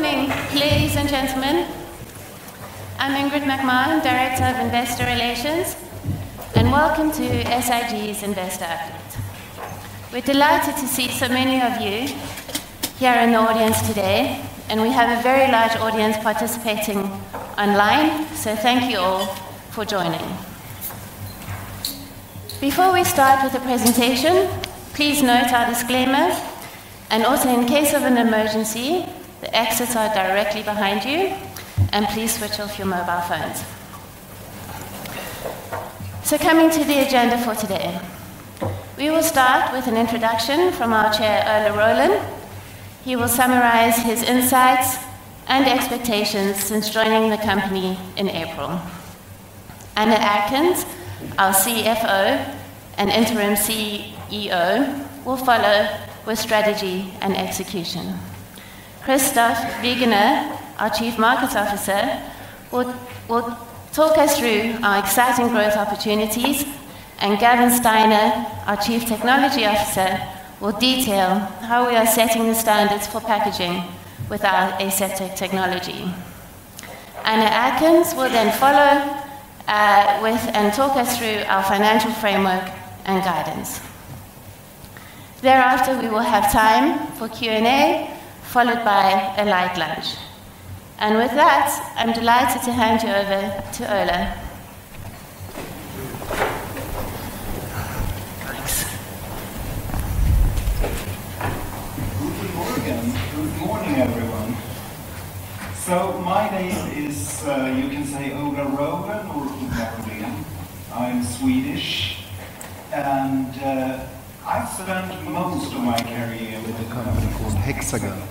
Good morning, ladies and gentlemen. I'm Ingrid McMahon, Director of Investor Relations, and welcome to SIG's Investor Update. We're delighted to see so many of you here in the audience today, and we have a very large audience participating online, so thank you all for joining. Before we start with the presentation, please note our disclaimers, and also, in case of an emergency, the exits are directly behind you, and please switch off your mobile phones. Coming to the agenda for today, we will start with an introduction from our Chair, Ove Roland. He will summarize his insights and expectations since joining the company in April. Anna Erkens, our Chief Financial Officer and interim CEO, will follow with strategy and execution. Christoph Wegener, our Chief Market Officer, will talk us through our exciting growth opportunities, and Gavin Steiner, our Chief Technology Officer, will detail how we are setting the standards for packaging with our aseptic technology. Anna Erkens will then follow and talk us through our financial framework and guidance. Thereafter, we will have time for Q&A, followed by a light lunch. With that, I'm delighted to hand you over to Ove. Thanks. Good morning, everyone. My name is, you can say, Ove Roland or Ove Erding. I'm Swedish, and I've spent most of my career with a company called Hexagon.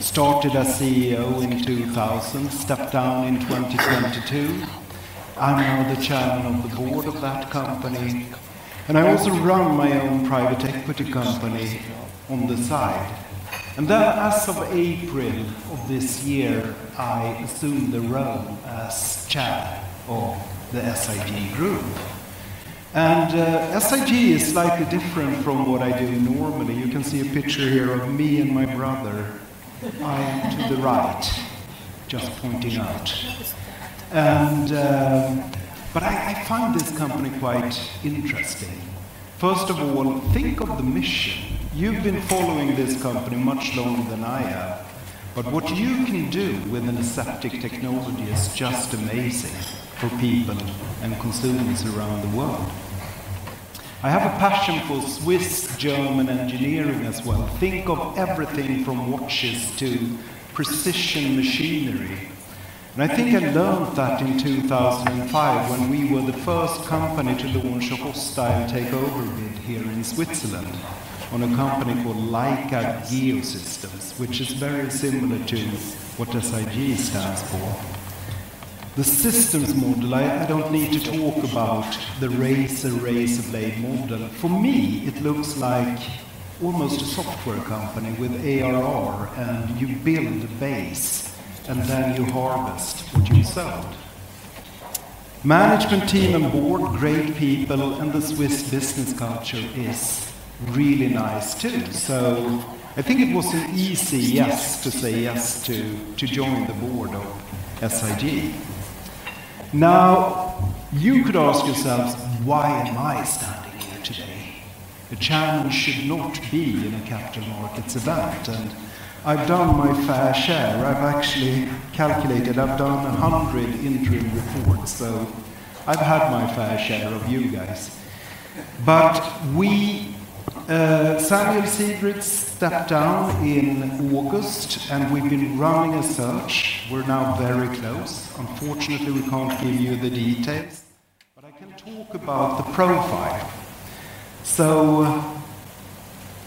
Started as CEO in 2000, stepped down in 2022. I'm now the Chairman of the Board of that company, and I also run my own private equity company on the side. As of April of this year, I assumed the role as Chair of SIG Group AG. SIG is slightly different from what I do normally. You can see a picture here of me and my brother. I am to the right, just pointing out. I find this company quite interesting. First of all, think of the mission. You've been following this company much longer than I have, but what you can do with an aseptic technology is just amazing for people and consumers around the world. I have a passion for Swiss-German engineering as well. Think of everything from watches to precision machinery. I think I learned that in 2005 when we were the first company to launch a hostile takeover bid here in Switzerland on a company called Leica Geosystems, which is very similar to what SIG stands for. The systems model, I don't need to talk about the razor-razor blade model. For me, it looks like almost a software company with ARR, and you build a base, and then you harvest what you've sown. Management team and board, great people, and the Swiss business culture is really nice too. I think it was an easy yes to say yes to join the board of SIG. You could ask yourself, why am I standing here today? A Chairman should not be in a capital markets event, and I've done my fair share. I've actually calculated, I've done 100 interim reports, so I've had my fair share of you guys. Samuel Sigrist stepped down in August, and we've been running a search. We're now very close. Unfortunately, we can't give you the details, but I can talk about the profile.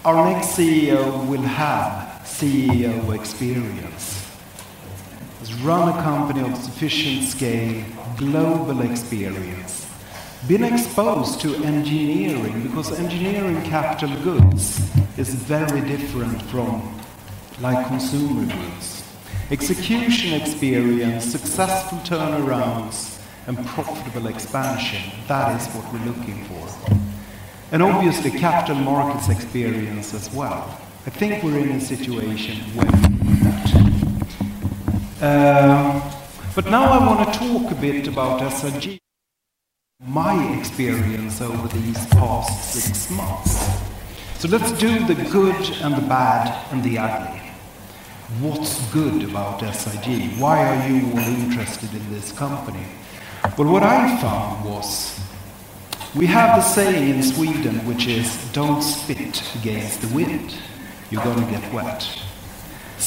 Our next CEO will have CEO experience, has run a company of sufficient scale, global experience, been exposed to engineering because engineering capital goods is very different from consumer goods. Execution experience, successful turnarounds, and profitable expansion, that is what we're looking for. Obviously, capital markets experience as well. I think we're in a situation where we're at. Now I want to talk a bit about SIG, my experience over these past six months. Let's do the good and the bad and the ugly. What's good about SIG? Why are you all interested in this company? There is a saying in Sweden, which is, "Don't spit against the wind. You're going to get wet."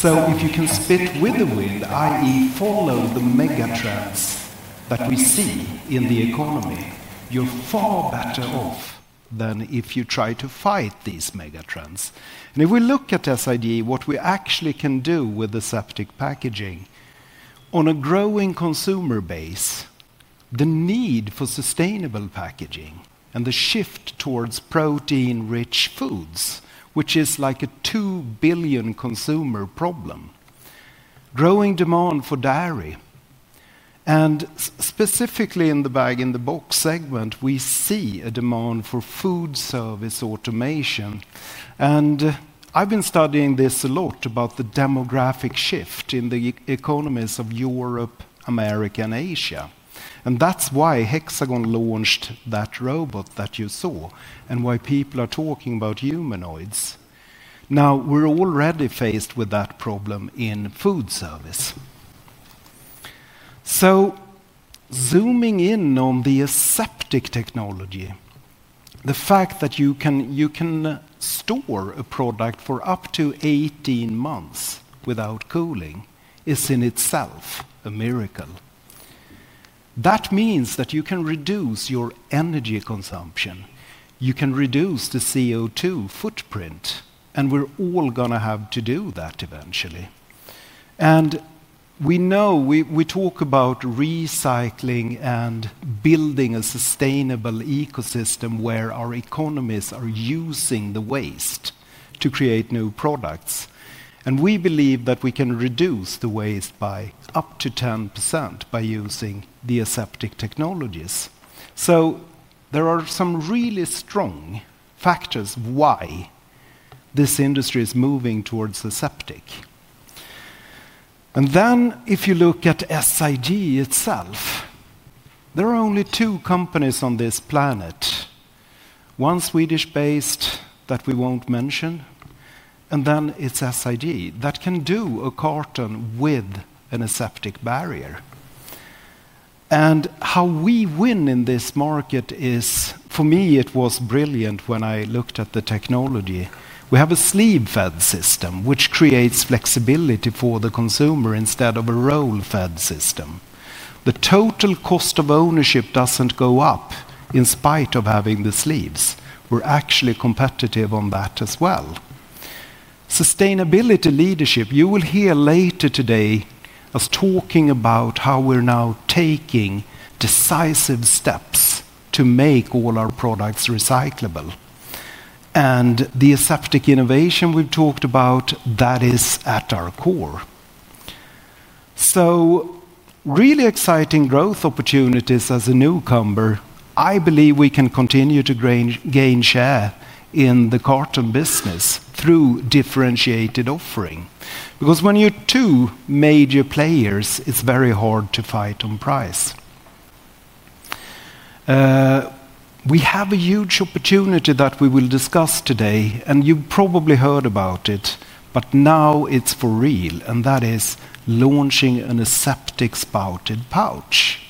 If you can spit with the wind, that is, follow the megatrends that we see in the economy, you're far better off than if you try to fight these megatrends. If we look at SIG, what we actually can do with aseptic packaging on a growing consumer base, the need for sustainable packaging, and the shift towards protein-rich foods, which is like a 2 billion consumer problem. Growing demand for dairy, and specifically in the bag-in-box segment, we see a demand for food service automation. I've been studying this a lot about the demographic shift in the economies of Europe, America, and Asia. That is why Hexagon launched that robot that you saw and why people are talking about humanoids. We're already faced with that problem in food service. Zooming in on the aseptic technology, the fact that you can store a product for up to 18 months without cooling is in itself a miracle. That means you can reduce your energy consumption, you can reduce the CO2 footprint, and we're all going to have to do that eventually. We talk about recycling and building a sustainable ecosystem where our economies are using the waste to create new products. We believe that we can reduce the waste by up to 10% by using the aseptic technologies. There are some really strong factors why this industry is moving towards aseptic. If you look at SIG itself, there are only two companies on this planet. One Swedish-based that we won't mention, and then it's SIG that can do a carton with an aseptic barrier. How we win in this market is, for me, it was brilliant when I looked at the technology. We have a sleeve-fed system, which creates flexibility for the consumer instead of a roll-fed system. The total cost of ownership doesn't go up in spite of having the sleeves. We're actually competitive on that as well. Sustainability leadership, you will hear later today us talking about how we're now taking decisive steps to make all our products recyclable. The aseptic innovation we've talked about, that is at our core. Really exciting growth opportunities as a newcomer. I believe we can continue to gain share in the carton business through differentiated offering. When you're two major players, it's very hard to fight on price. We have a huge opportunity that we will discuss today, and you've probably heard about it, but now it's for real, and that is launching an aseptic spouted pouch.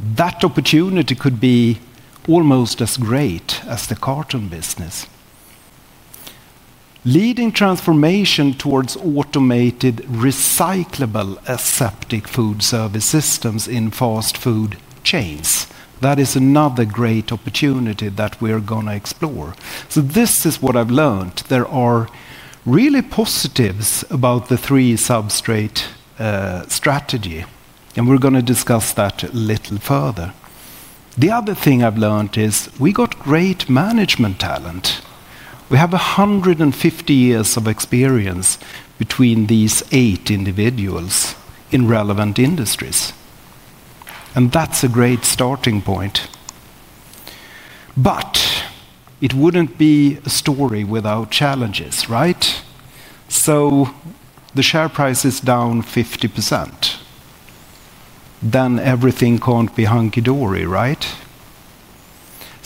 That opportunity could be almost as great as the carton business. Leading transformation towards automated recyclable aseptic food service systems in fast food chains is another great opportunity that we are going to explore. This is what I've learned. There are really positives about the three substrate strategy, and we're going to discuss that a little further. The other thing I've learned is we got great management talent. We have 150 years of experience between these eight individuals in relevant industries, and that's a great starting point. It wouldn't be a story without challenges, right? The share price is down 50%. Everything can't be hunky-dory, right?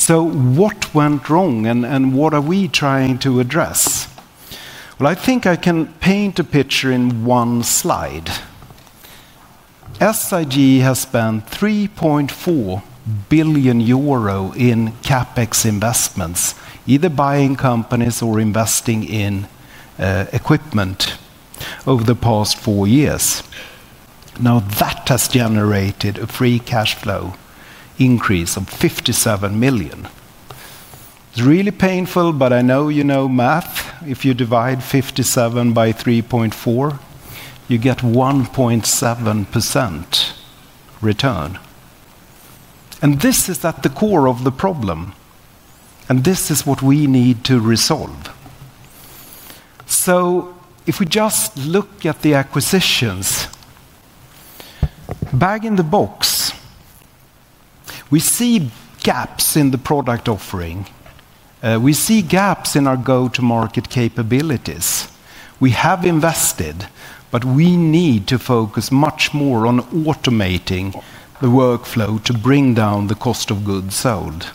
What went wrong and what are we trying to address? I think I can paint a picture in one slide. SIG has spent 3.4 billion euro in CapEx investments, either buying companies or investing in equipment over the past four years. That has generated a free cash flow increase of 57 million. It's really painful, but I know you know math. If you divide 57 by 3.4, you get 1.7% return. This is at the core of the problem, and this is what we need to resolve. If we just look at the acquisitions, bag-in-box, we see gaps in the product offering. We see gaps in our go-to-market capabilities. We have invested, but we need to focus much more on automating the workflow to bring down the cost of goods sold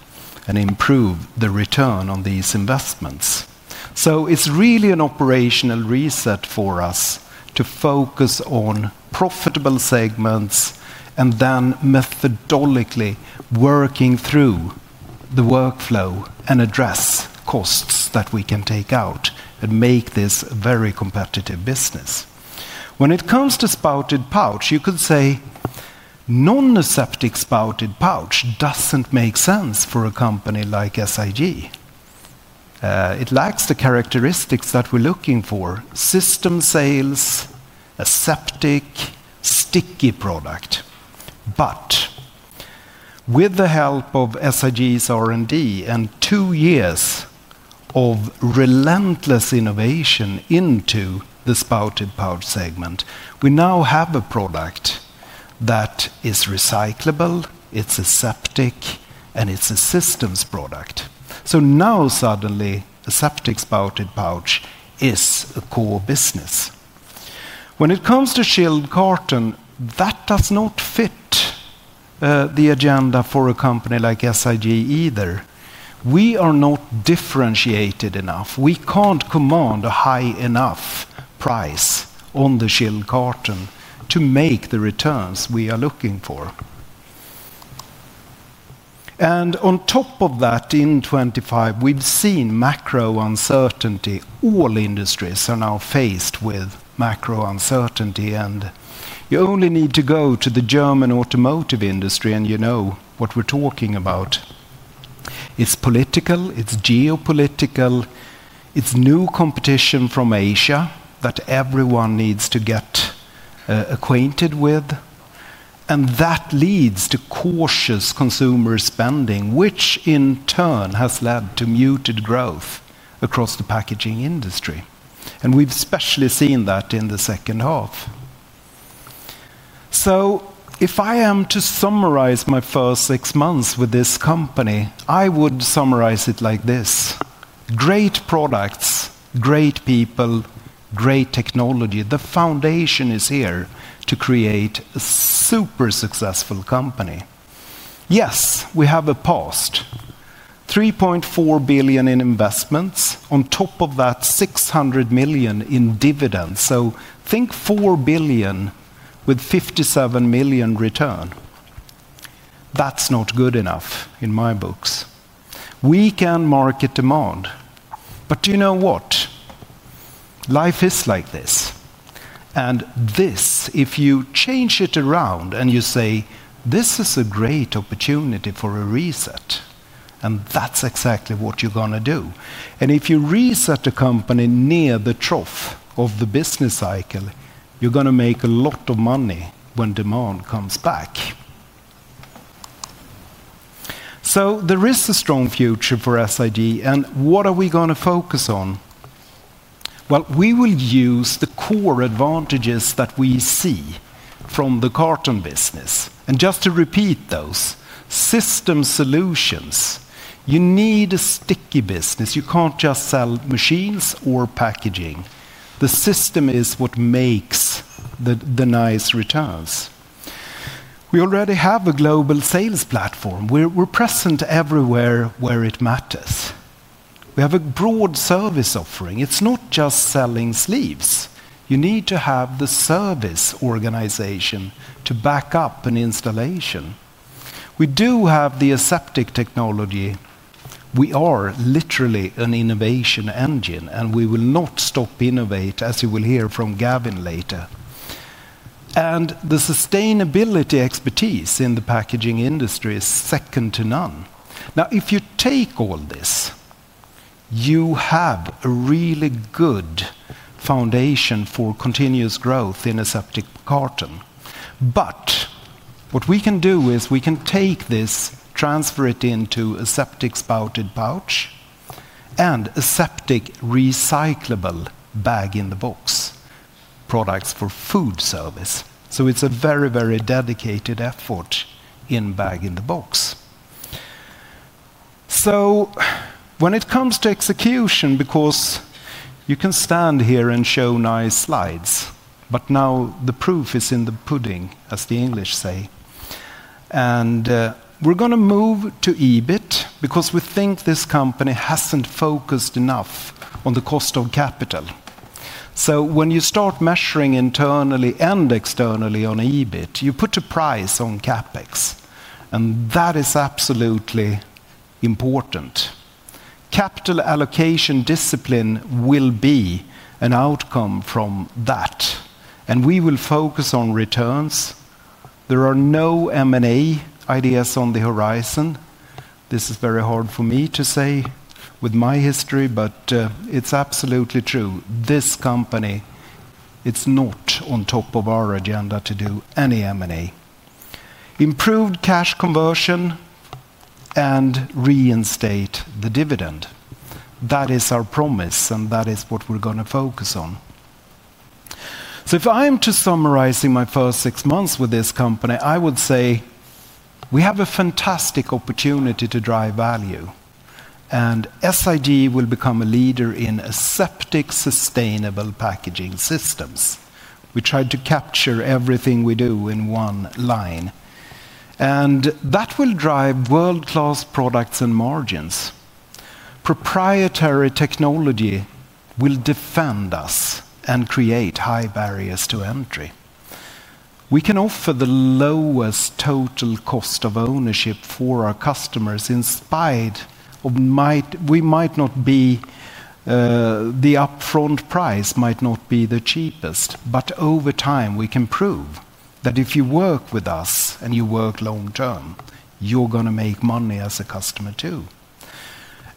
and improve the return on these investments. It's really an operational reset for us to focus on profitable segments and then methodologically working through the workflow and address costs that we can take out and make this a very competitive business. When it comes to spouted pouch, you could say non-aseptic spouted pouch doesn't make sense for a company like SIG. It lacks the characteristics that we're looking for: system sales, aseptic, sticky product. With the help of SIG's R&D and two years of relentless innovation into the spouted pouch segment, we now have a product that is recyclable, it's aseptic, and it's a systems product. Now suddenly, aseptic spouted pouch is a core business. When it comes to chilled carton, that does not fit the agenda for a company like SIG either. We are not differentiated enough. We can't command a high enough price on the chilled carton to make the returns we are looking for. On top of that, in 2025, we've seen macro uncertainty. All industries are now faced with macro uncertainty, and you only need to go to the German automotive industry, and you know what we're talking about. It's political, it's geopolitical, it's new competition from Asia that everyone needs to get acquainted with. That leads to cautious consumer spending, which in turn has led to muted growth across the packaging industry. We've especially seen that in the second half. If I am to summarize my first six months with this company, I would summarize it like this: great products, great people, great technology. The foundation is here to create a super successful company. Yes, we have a past $3.4 billion in investments. On top of that, $600 million in dividends. Think $4 billion with $57 million return. That's not good enough in my books. We can market demand. Do you know what? Life is like this. If you change it around and you say, this is a great opportunity for a reset, that's exactly what you're going to do. If you reset a company near the trough of the business cycle, you're going to make a lot of money when demand comes back. There is a strong future for SIG, and what are we going to focus on? We will use the core advantages that we see from the carton business. Just to repeat those, system solutions, you need a sticky business. You can't just sell machines or packaging. The system is what makes the nice returns. We already have a global sales platform. We're present everywhere where it matters. We have a broad service offering. It's not just selling sleeves. You need to have the service organization to back up an installation. We do have the aseptic technology. We are literally an innovation engine, and we will not stop innovating, as you will hear from Gavin later. The sustainability expertise in the packaging industry is second to none. If you take all this, you have a really good foundation for continuous growth in aseptic carton. What we can do is we can take this, transfer it into aseptic spouted pouch, and aseptic recyclable bag-in-box products for food service. It's a very, very dedicated effort in bag-in-box. When it comes to execution, because you can stand here and show nice slides, now the proof is in the pudding, as the English say. We're going to move to EBIT because we think this company hasn't focused enough on the cost of capital. When you start measuring internally and externally on EBIT, you put a price on CapEx, and that is absolutely important. Capital allocation discipline will be an outcome from that, and we will focus on returns. There are no M&A ideas on the horizon. This is very hard for me to say with my history, but it's absolutely true. This company, it's not on top of our agenda to do any M&A. Improved cash conversion and reinstate the dividend. That is our promise, and that is what we're going to focus on. If I am to summarize my first six months with this company, I would say we have a fantastic opportunity to drive value, and SIG will become a leader in aseptic sustainable packaging systems. We try to capture everything we do in one line, and that will drive world-class products and margins. Proprietary technology will defend us and create high barriers to entry. We can offer the lowest total cost of ownership for our customers. We might not be the upfront price, might not be the cheapest, but over time, we can prove that if you work with us and you work long-term, you're going to make money as a customer too.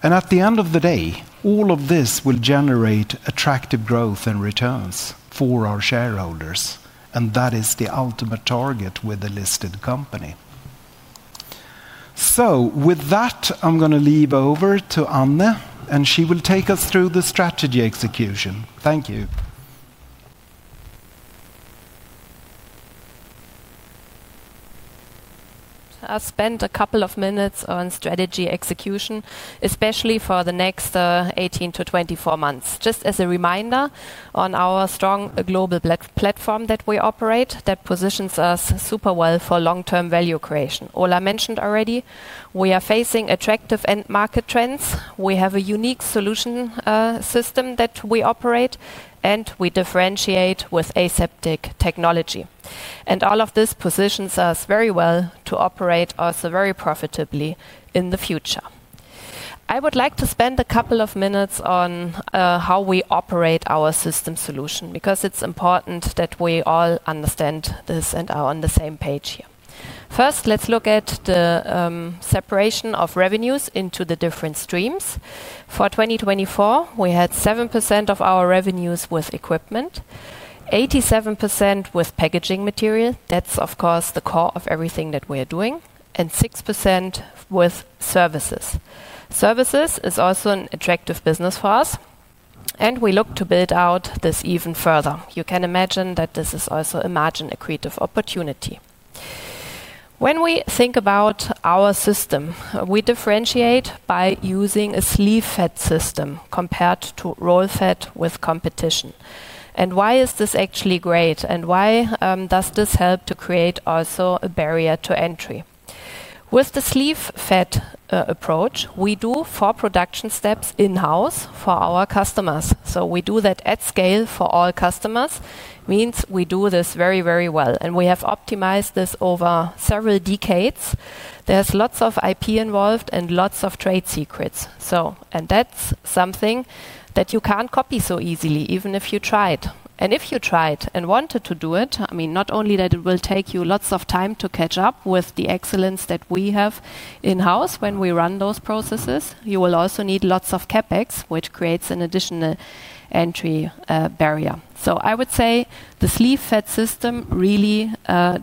At the end of the day, all of this will generate attractive growth and returns for our shareholders, and that is the ultimate target with a listed company. With that, I'm going to leave over to Anna, and she will take us through the strategy execution. Thank you. I'll spend a couple of minutes on strategy execution, especially for the next 18-24 months. Just as a reminder on our strong global platform that we operate, that positions us super well for long-term value creation. Ove Roland mentioned already, we are facing attractive end market trends. We have a unique solution system that we operate, and we differentiate with aseptic technology. All of this positions us very well to operate also very profitably in the future. I would like to spend a couple of minutes on how we operate our system solution because it's important that we all understand this and are on the same page here. First, let's look at the separation of revenues into the different streams. For 2024, we had 7% of our revenues with equipment, 87% with packaging material. That's, of course, the core of everything that we're doing, and 6% with services. Services is also an attractive business for us, and we look to build out this even further. You can imagine that this is also a margin accretive opportunity. When we think about our system, we differentiate by using a sleeve-fed system compared to roll-fed with competition. Why is this actually great? Why does this help to create also a barrier to entry? With the sleeve-fed approach, we do four production steps in-house for our customers. We do that at scale for all customers. It means we do this very, very well, and we have optimized this over several decades. There's lots of IP involved and lots of trade secrets. That's something that you can't copy so easily, even if you tried. If you tried and wanted to do it, not only that it will take you lots of time to catch up with the excellence that we have in-house when we run those processes, you will also need lots of CapEx, which creates an additional entry barrier. I would say the sleeve-fed system really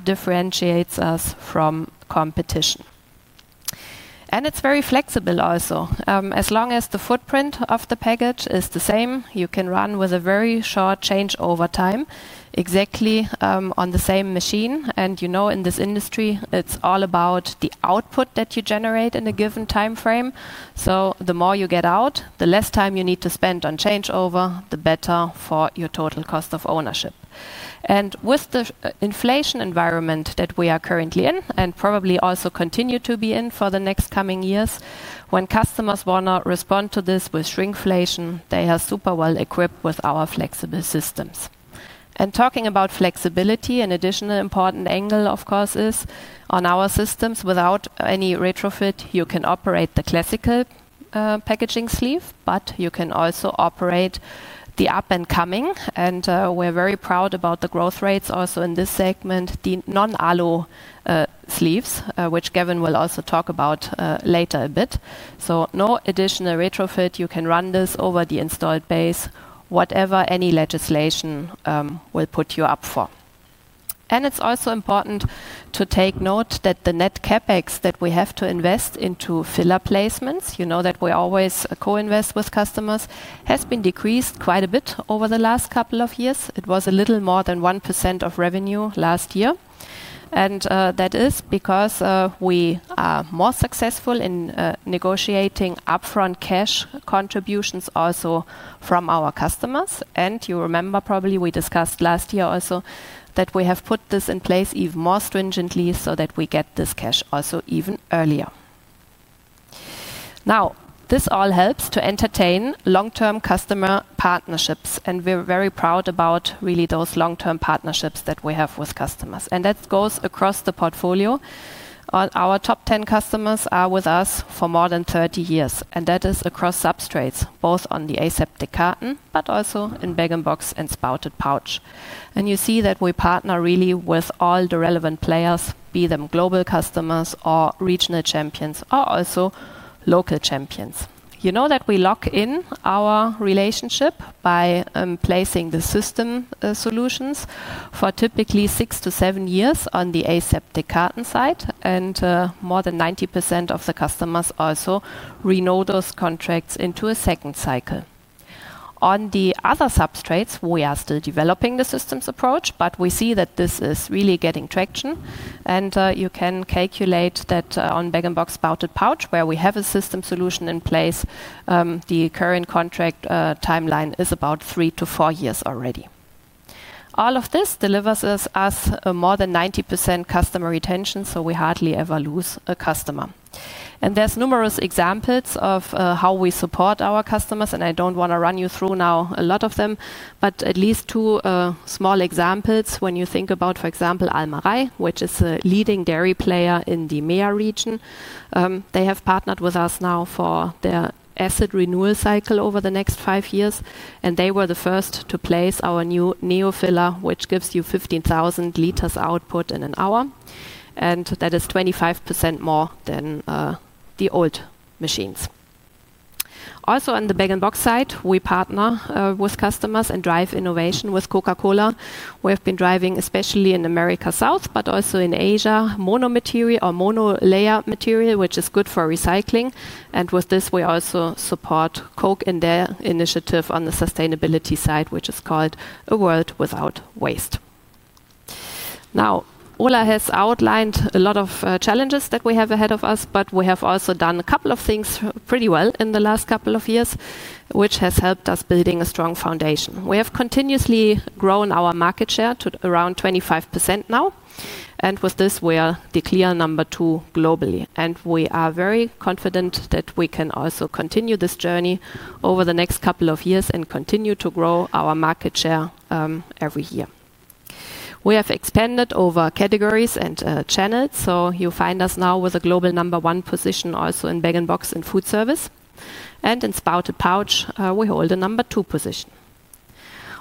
differentiates us from competition. It's very flexible also. As long as the footprint of the package is the same, you can run with a very short changeover time exactly on the same machine. You know, in this industry, it's all about the output that you generate in a given timeframe. The more you get out, the less time you need to spend on changeover, the better for your total cost of ownership. With the inflation environment that we are currently in, and probably also continue to be in for the next coming years, when customers want to respond to this with shrinkflation, they are super well equipped with our flexible systems. Talking about flexibility, an additional important angle, of course, is on our systems. Without any retrofit, you can operate the classical packaging sleeve, but you can also operate the up-and-coming. We are very proud about the growth rates also in this segment, the non-alu sleeves, which Gavin Steiner will also talk about later a bit. No additional retrofit is needed. You can run this over the installed base, whatever any legislation will put you up for. It is also important to take note that the net CapEx that we have to invest into filler placements, you know, that we always co-invest with customers, has been decreased quite a bit over the last couple of years. It was a little more than 1% of revenue last year. That is because we are more successful in negotiating upfront cash contributions also from our customers. You remember probably we discussed last year also that we have put this in place even more stringently so that we get this cash also even earlier. This all helps to entertain long-term customer partnerships. We are very proud about really those long-term partnerships that we have with customers. That goes across the portfolio. Our top 10 customers are with us for more than 30 years. That is across substrates, both on the aseptic carton, but also in bag-in-box and spouted pouch. You see that we partner really with all the relevant players, be them global customers or regional champions or also local champions. You know that we lock in our relationship by placing the system solutions for typically six to seven years on the aseptic carton side. More than 90% of the customers also renew those contracts into a second cycle. On the other substrates, we are still developing the systems approach, but we see that this is really getting traction. You can calculate that on bag-in-box spouted pouch, where we have a system solution in place, the current contract timeline is about three to four years already. All of this delivers us more than 90% customer retention, so we hardly ever lose a customer. There are numerous examples of how we support our customers. I do not want to run you through now a lot of them, but at least two small examples. When you think about, for example, Almarai, which is a leading dairy player in the MEA region, they have partnered with us now for their asset renewal cycle over the next five years. They were the first to place our new neofiller, which gives you 15,000 liters output in an hour. That is 25% more than the old machines. Also, on the bag-in-box side, we partner with customers and drive innovation with Coca-Cola. We have been driving, especially in America South, but also in Asia, monolayer material, which is good for recycling. With this, we also support Coke in their initiative on the sustainability side, which is called a world without waste. Ola has outlined a lot of challenges that we have ahead of us, but we have also done a couple of things pretty well in the last couple of years, which has helped us building a strong foundation. We have continuously grown our market share to around 25% now. With this, we are the clear number two globally. We are very confident that we can also continue this journey over the next couple of years and continue to grow our market share every year. We have expanded over categories and channels. You find us now with a global number one position also in bag-in-box and food service. In spouted pouch, we hold a number two position.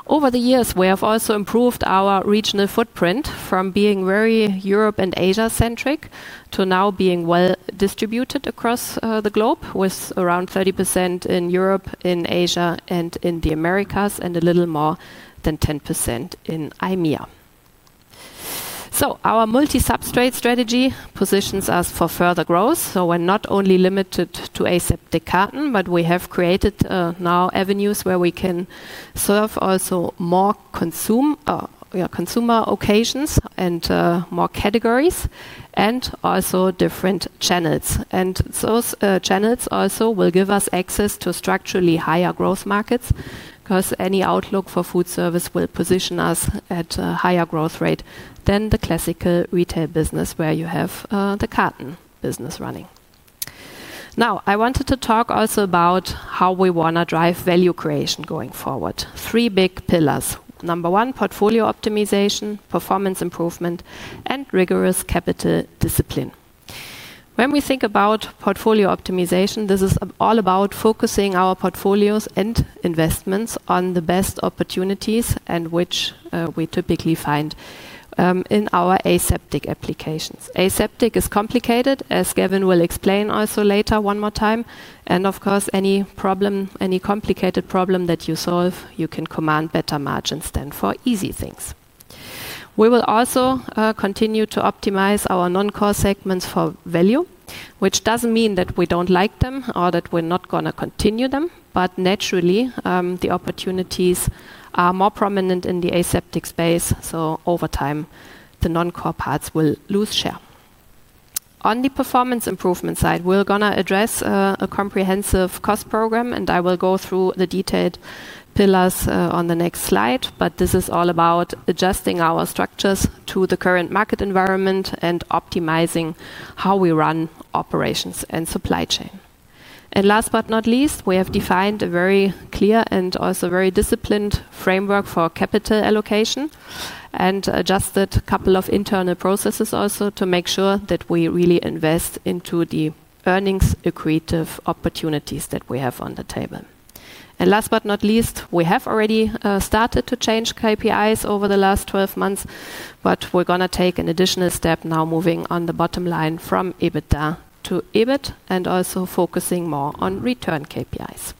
Over the years, we have also improved our regional footprint from being very Europe and Asia-centric to now being well distributed across the globe, with around 30% in Europe, in Asia, and in the Americas, and a little more than 10% in IMEA. Our multi-substrate strategy positions us for further growth. We're not only limited to aseptic carton, but we have created now avenues where we can serve also more consumer occasions and more categories and also different channels. Those channels also will give us access to structurally higher growth markets because any outlook for food service will position us at a higher growth rate than the classical retail business where you have the carton business running. I wanted to talk also about how we want to drive value creation going forward. Three big pillars: number one, portfolio optimization, performance improvement, and rigorous capital discipline. When we think about portfolio optimization, this is all about focusing our portfolios and investments on the best opportunities, which we typically find in our aseptic applications. Aseptic is complicated, as Gavin Steiner will explain also later one more time. Of course, any problem, any complicated problem that you solve, you can command better margins than for easy things. We will also continue to optimize our non-core segments for value, which doesn't mean that we don't like them or that we're not going to continue them, but naturally, the opportunities are more prominent in the aseptic space. Over time, the non-core parts will lose share. On the performance improvement side, we're going to address a comprehensive cost program, and I will go through the detailed pillars on the next slide. This is all about adjusting our structures to the current market environment and optimizing how we run operations and supply chain. Last but not least, we have defined a very clear and also very disciplined framework for capital allocation and adjusted a couple of internal processes also to make sure that we really invest into the earnings accretive opportunities that we have on the table. Last but not least, we have already started to change KPIs over the last 12 months, but we're going to take an additional step now moving on the bottom line from EBITDA to EBIT and also focusing more on return KPIs.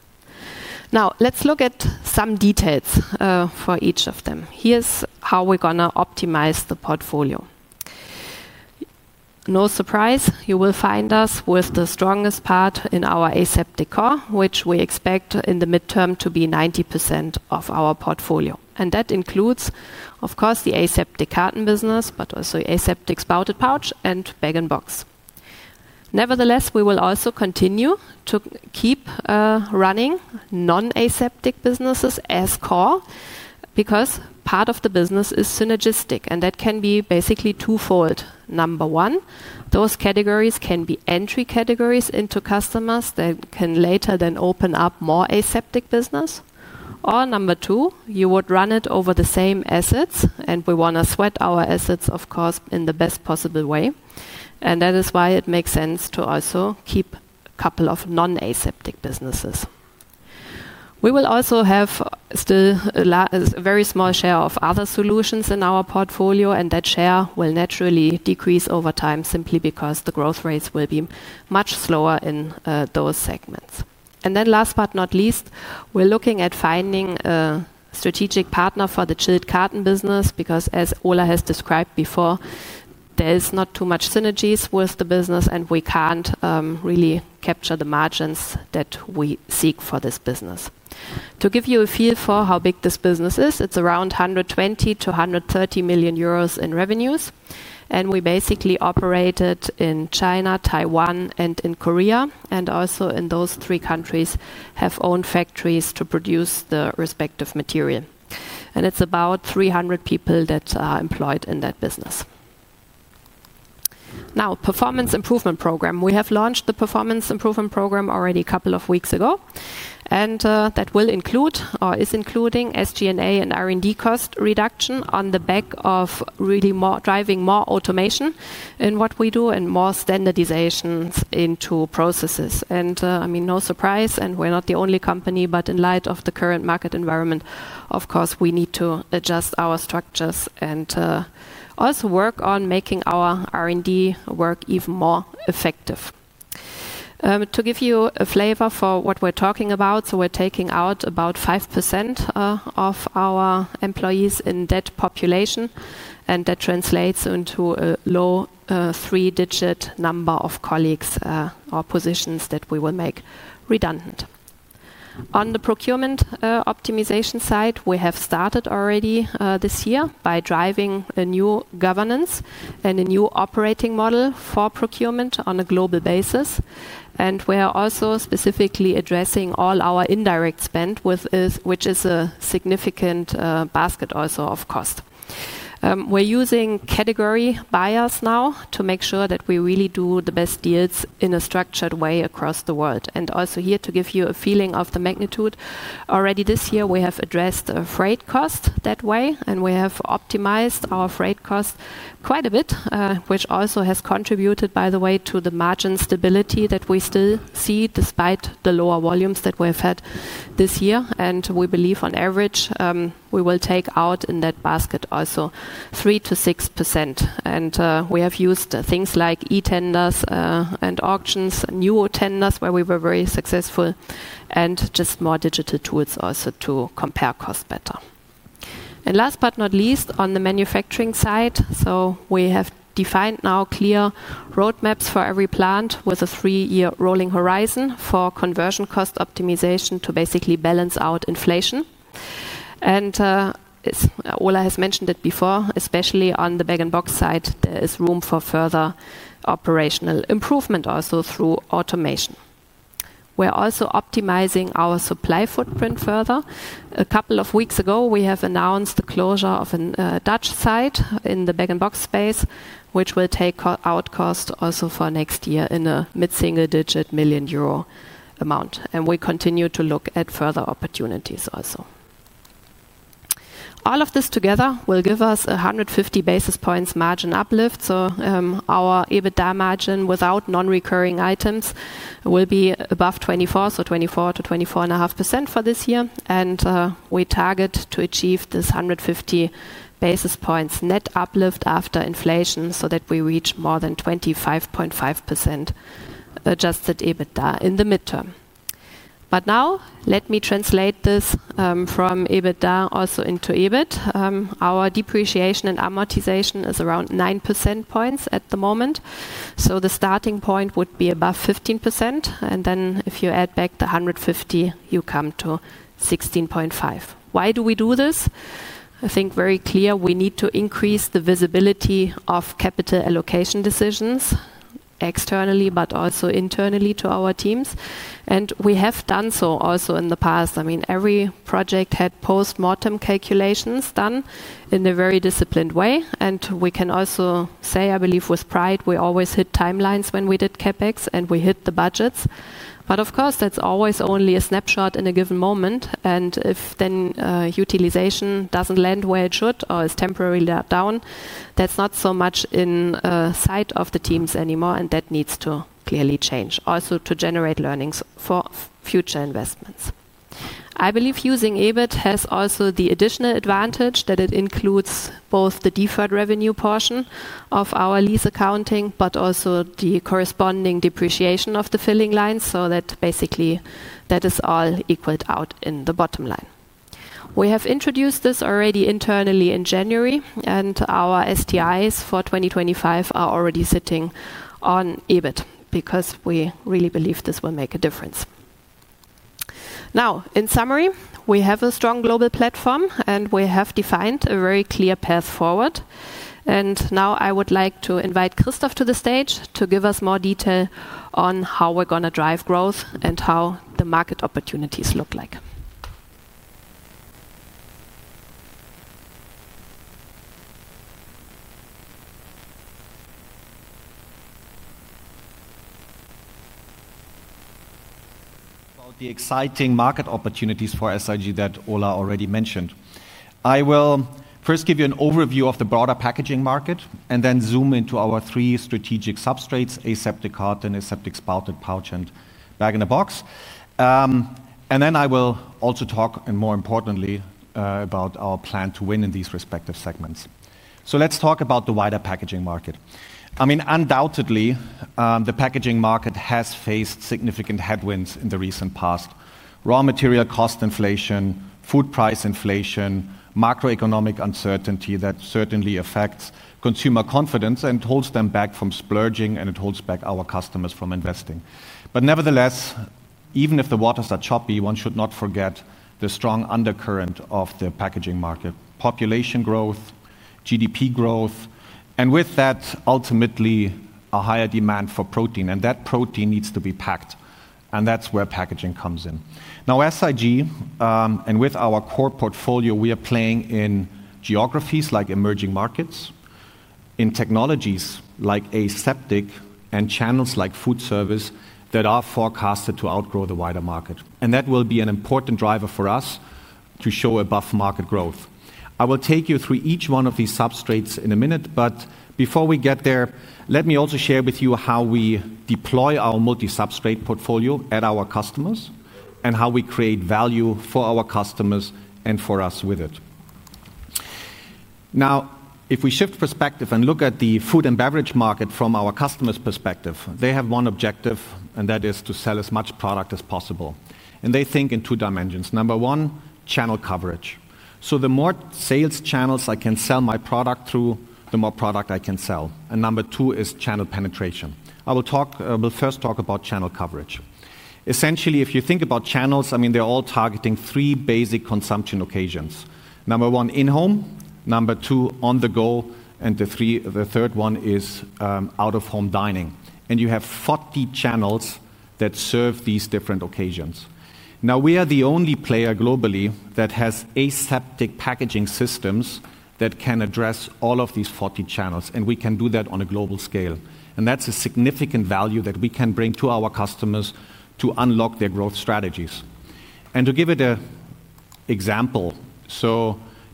Now, let's look at some details for each of them. Here's how we're going to optimize the portfolio. No surprise, you will find us with the strongest part in our aseptic core, which we expect in the midterm to be 90% of our portfolio. That includes, of course, the aseptic carton business, but also aseptic spouted pouch and bag-in-box. Nevertheless, we will also continue to keep running non-aseptic businesses as core because part of the business is synergistic, and that can be basically twofold. Number one, those categories can be entry categories into customers that can later then open up more aseptic business. Number two, you would run it over the same assets, and we want to sweat our assets, of course, in the best possible way. That is why it makes sense to also keep a couple of non-aseptic businesses. We will also have still a very small share of other solutions in our portfolio, and that share will naturally decrease over time simply because the growth rates will be much slower in those segments. Last but not least, we're looking at finding a strategic partner for the chilled carton business because, as Ove Roland has described before, there's not too much synergies with the business, and we can't really capture the margins that we seek for this business. To give you a feel for how big this business is, it's around 120 million-130 million euros in revenues. We basically operated in China, Taiwan, and in Korea, and also in those three countries have owned factories to produce the respective material. It's about 300 people that are employed in that business. Now, performance improvement program. We have launched the performance improvement program already a couple of weeks ago, and that will include or is including SG&A and R&D cost reduction on the back of really driving more automation in what we do and more standardizations into processes. No surprise, and we're not the only company, but in light of the current market environment, of course, we need to adjust our structures and also work on making our R&D work even more effective. To give you a flavor for what we're talking about, we're taking out about 5% of our employees in that population, and that translates into a low three-digit number of colleagues or positions that we will make redundant. On the procurement optimization side, we have started already this year by driving a new governance and a new operating model for procurement on a global basis. We are also specifically addressing all our indirect spend, which is a significant basket also of cost. We're using category buyers now to make sure that we really do the best deals in a structured way across the world. Also here to give you a feeling of the magnitude, already this year we have addressed freight cost that way, and we have optimized our freight cost quite a bit, which also has contributed, by the way, to the margin stability that we still see despite the lower volumes that we have had this year. We believe on average we will take out in that basket also 3%-6%. We have used things like e-tenders and auctions, new tenders where we were very successful, and just more digital tools also to compare costs better. Last but not least, on the manufacturing side, we have defined now clear roadmaps for every plant with a three-year rolling horizon for conversion cost optimization to basically balance out inflation. Ola has mentioned it before, especially on the bag-in-box side, there is room for further operational improvement also through automation. We're also optimizing our supply footprint further. A couple of weeks ago, we have announced the closure of a Dutch site in the bag-in-box space, which will take out cost also for next year in a mid-single-digit million euro amount. We continue to look at further opportunities also. All of this together will give us a 150 basis points margin uplift. Our EBITDA margin without non-recurring items will be above 24%, so 24%-24.5% for this year. We target to achieve this 150 basis points net uplift after inflation so that we reach more than 25.5% adjusted EBITDA in the midterm. Now, let me translate this from EBITDA also into EBIT. Our depreciation and amortization is around 9 percentage points at the moment. The starting point would be above 15%. If you add back the 150, you come to 16.5%. Why do we do this? I think very clear, we need to increase the visibility of capital allocation decisions externally, but also internally to our teams. We have done so also in the past. I mean, every project had post-mortem calculations done in a very disciplined way. We can also say, I believe with pride, we always hit timelines when we did CapEx and we hit the budgets. Of course, that's always only a snapshot in a given moment. If then utilization doesn't land where it should or is temporarily down, that's not so much in sight of the teams anymore. That needs to clearly change also to generate learnings for future investments. I believe using EBIT has also the additional advantage that it includes both the deferred revenue portion of our lease accounting, but also the corresponding depreciation of the filling lines. That basically is all equaled out in the bottom line. We have introduced this already internally in January, and our STIs for 2025 are already sitting on EBIT because we really believe this will make a difference. In summary, we have a strong global platform, and we have defined a very clear path forward. Now I would like to invite Christoph to the stage to give us more detail on how we're going to drive growth and how the market opportunities look like. About the exciting market opportunities for SIG that Ove Roland already mentioned, I will first give you an overview of the broader packaging market and then zoom into our three strategic substrates: aseptic carton, aseptic spouted pouch, and bag-in-box. I will also talk, and more importantly, about our plan to win in these respective segments. Let's talk about the wider packaging market. Undoubtedly, the packaging market has faced significant headwinds in the recent past: raw material cost inflation, food price inflation, macroeconomic uncertainty that certainly affects consumer confidence and holds them back from splurging, and it holds back our customers from investing. Nevertheless, even if the waters are choppy, one should not forget the strong undercurrent of the packaging market: population growth, GDP growth, and with that, ultimately, a higher demand for protein. That protein needs to be packed, and that's where packaging comes in. Now, SIG, and with our core portfolio, we are playing in geographies like emerging markets, in technologies like aseptic, and channels like food service that are forecasted to outgrow the wider market. That will be an important driver for us to show above market growth. I will take you through each one of these substrates in a minute, but before we get there, let me also share with you how we deploy our multi-substrate portfolio at our customers and how we create value for our customers and for us with it. If we shift perspective and look at the food and beverage market from our customers' perspective, they have one objective, and that is to sell as much product as possible. They think in two dimensions. Number one, channel coverage. The more sales channels I can sell my product through, the more product I can sell. Number two is channel penetration. I will first talk about channel coverage. Essentially, if you think about channels, they are all targeting three basic consumption occasions. Number one, in-home. Number two, on the go. The third one is out-of-home dining. You have 40 channels that serve these different occasions. We are the only player globally that has aseptic packaging systems that can address all of these 40 channels, and we can do that on a global scale. That's a significant value that we can bring to our customers to unlock their growth strategies. To give an example,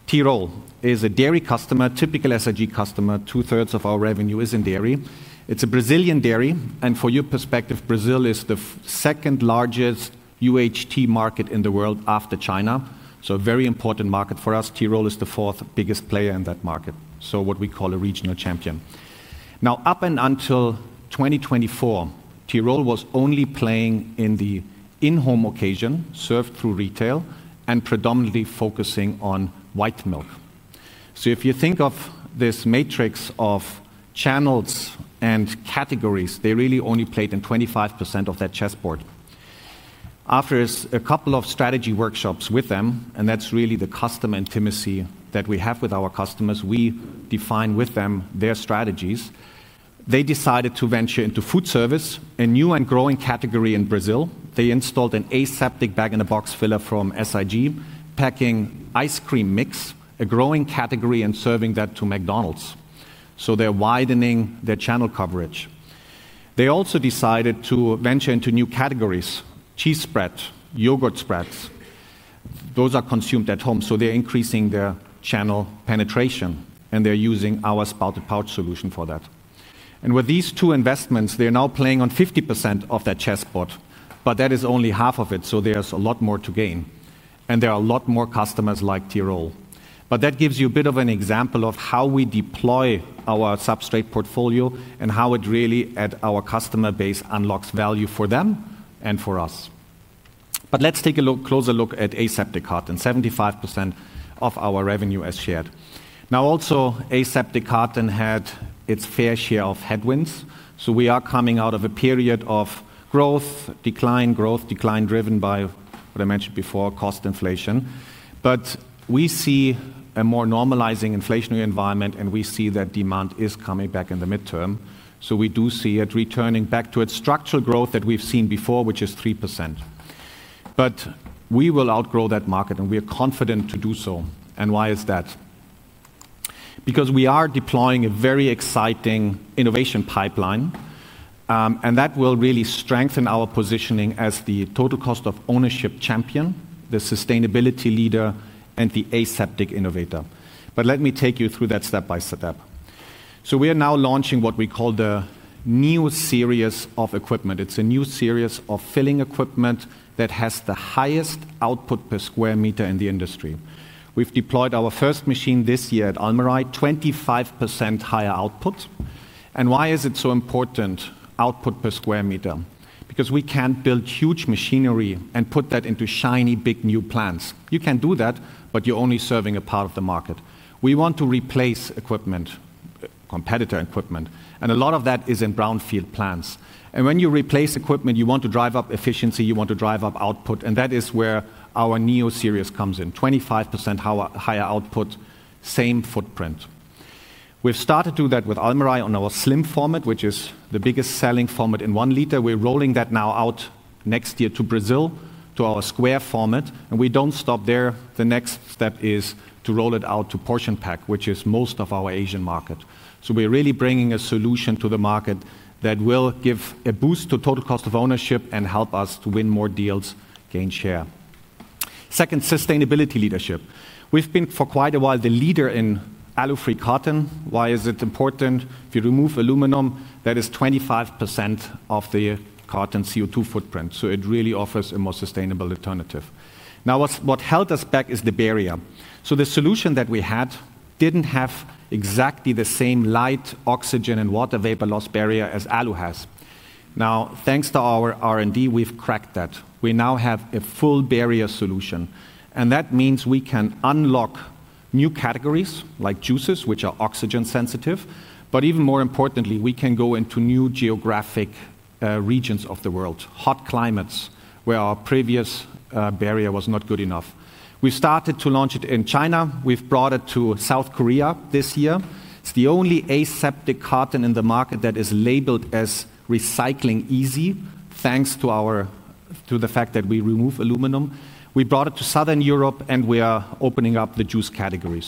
Tyrol is a dairy customer, typical SIG customer. Two-thirds of our revenue is in dairy. It's a Brazilian dairy. For your perspective, Brazil is the second largest UHT market in the world after China, so a very important market for us. Tyrol is the fourth biggest player in that market, what we call a regional champion. Up until 2024, Tyrol was only playing in the in-home occasion, served through retail, and predominantly focusing on white milk. If you think of this matrix of channels and categories, they really only played in 25% of that chessboard. After a couple of strategy workshops with them, and that's really the customer intimacy that we have with our customers, we define with them their strategies. They decided to venture into food service, a new and growing category in Brazil. They installed an aseptic bag-in-box filler from SIG, packing ice cream mix, a growing category, and serving that to McDonald's. They're widening their channel coverage. They also decided to venture into new categories: cheese spreads, yogurt spreads. Those are consumed at home, so they're increasing their channel penetration, and they're using our spouted pouch solution for that. With these two investments, they're now playing on 50% of that chessboard, but that is only half of it. There is a lot more to gain, and there are a lot more customers like Tyrol. That gives you a bit of an example of how we deploy our substrate portfolio and how it really, at our customer base, unlocks value for them and for us. Let's take a closer look at aseptic carton. 75% of our revenue is shared. Also, aseptic carton had its fair share of headwinds. We are coming out of a period of growth, decline, growth, decline driven by what I mentioned before, cost inflation. We see a more normalizing inflationary environment, and we see that demand is coming back in the midterm. We do see it returning back to its structural growth that we've seen before, which is 3%. We will outgrow that market, and we are confident to do so. Why is that? We are deploying a very exciting innovation pipeline, and that will really strengthen our positioning as the total cost of ownership champion, the sustainability leader, and the aseptic innovator. Let me take you through that step by step. We are now launching what we call the new series of equipment. It's a new series of filling equipment that has the highest output per square meter in the industry. We've deployed our first machine this year at Almarai, 25% higher output. Why is it so important, output per square meter? Because we can't build huge machinery and put that into shiny big new plants. You can do that, but you're only serving a part of the market. We want to replace equipment, competitor equipment, and a lot of that is in brownfield plants. When you replace equipment, you want to drive up efficiency, you want to drive up output, and that is where our new series comes in. 25% higher output, same footprint. We've started to do that with Almarai on our slim format, which is the biggest selling format in one liter. We're rolling that now out next year to Brazil to our square format, and we don't stop there. The next step is to roll it out to portion pack, which is most of our Asian market. We're really bringing a solution to the market that will give a boost to total cost of ownership and help us to win more deals, gain share. Second, sustainability leadership. We've been for quite a while the leader in alu-free barrier aseptic packaging. Why is it important? If you remove aluminum, that is 25% of the carton CO2 footprint. It really offers a more sustainable alternative. What held us back is the barrier. The solution that we had didn't have exactly the same light, oxygen, and water vapor loss barrier as aluminum has. Now, thanks to our R&D, we've cracked that. We now have a full barrier solution, and that means we can unlock new categories like juices, which are oxygen sensitive, but even more importantly, we can go into new geographic regions of the world, hot climates where our previous barrier was not good enough. We've started to launch it in China. We've brought it to South Korea this year. It's the only aseptic carton in the market that is labeled as recycling easy, thanks to the fact that we remove aluminum. We brought it to Southern Europe, and we are opening up the juice category.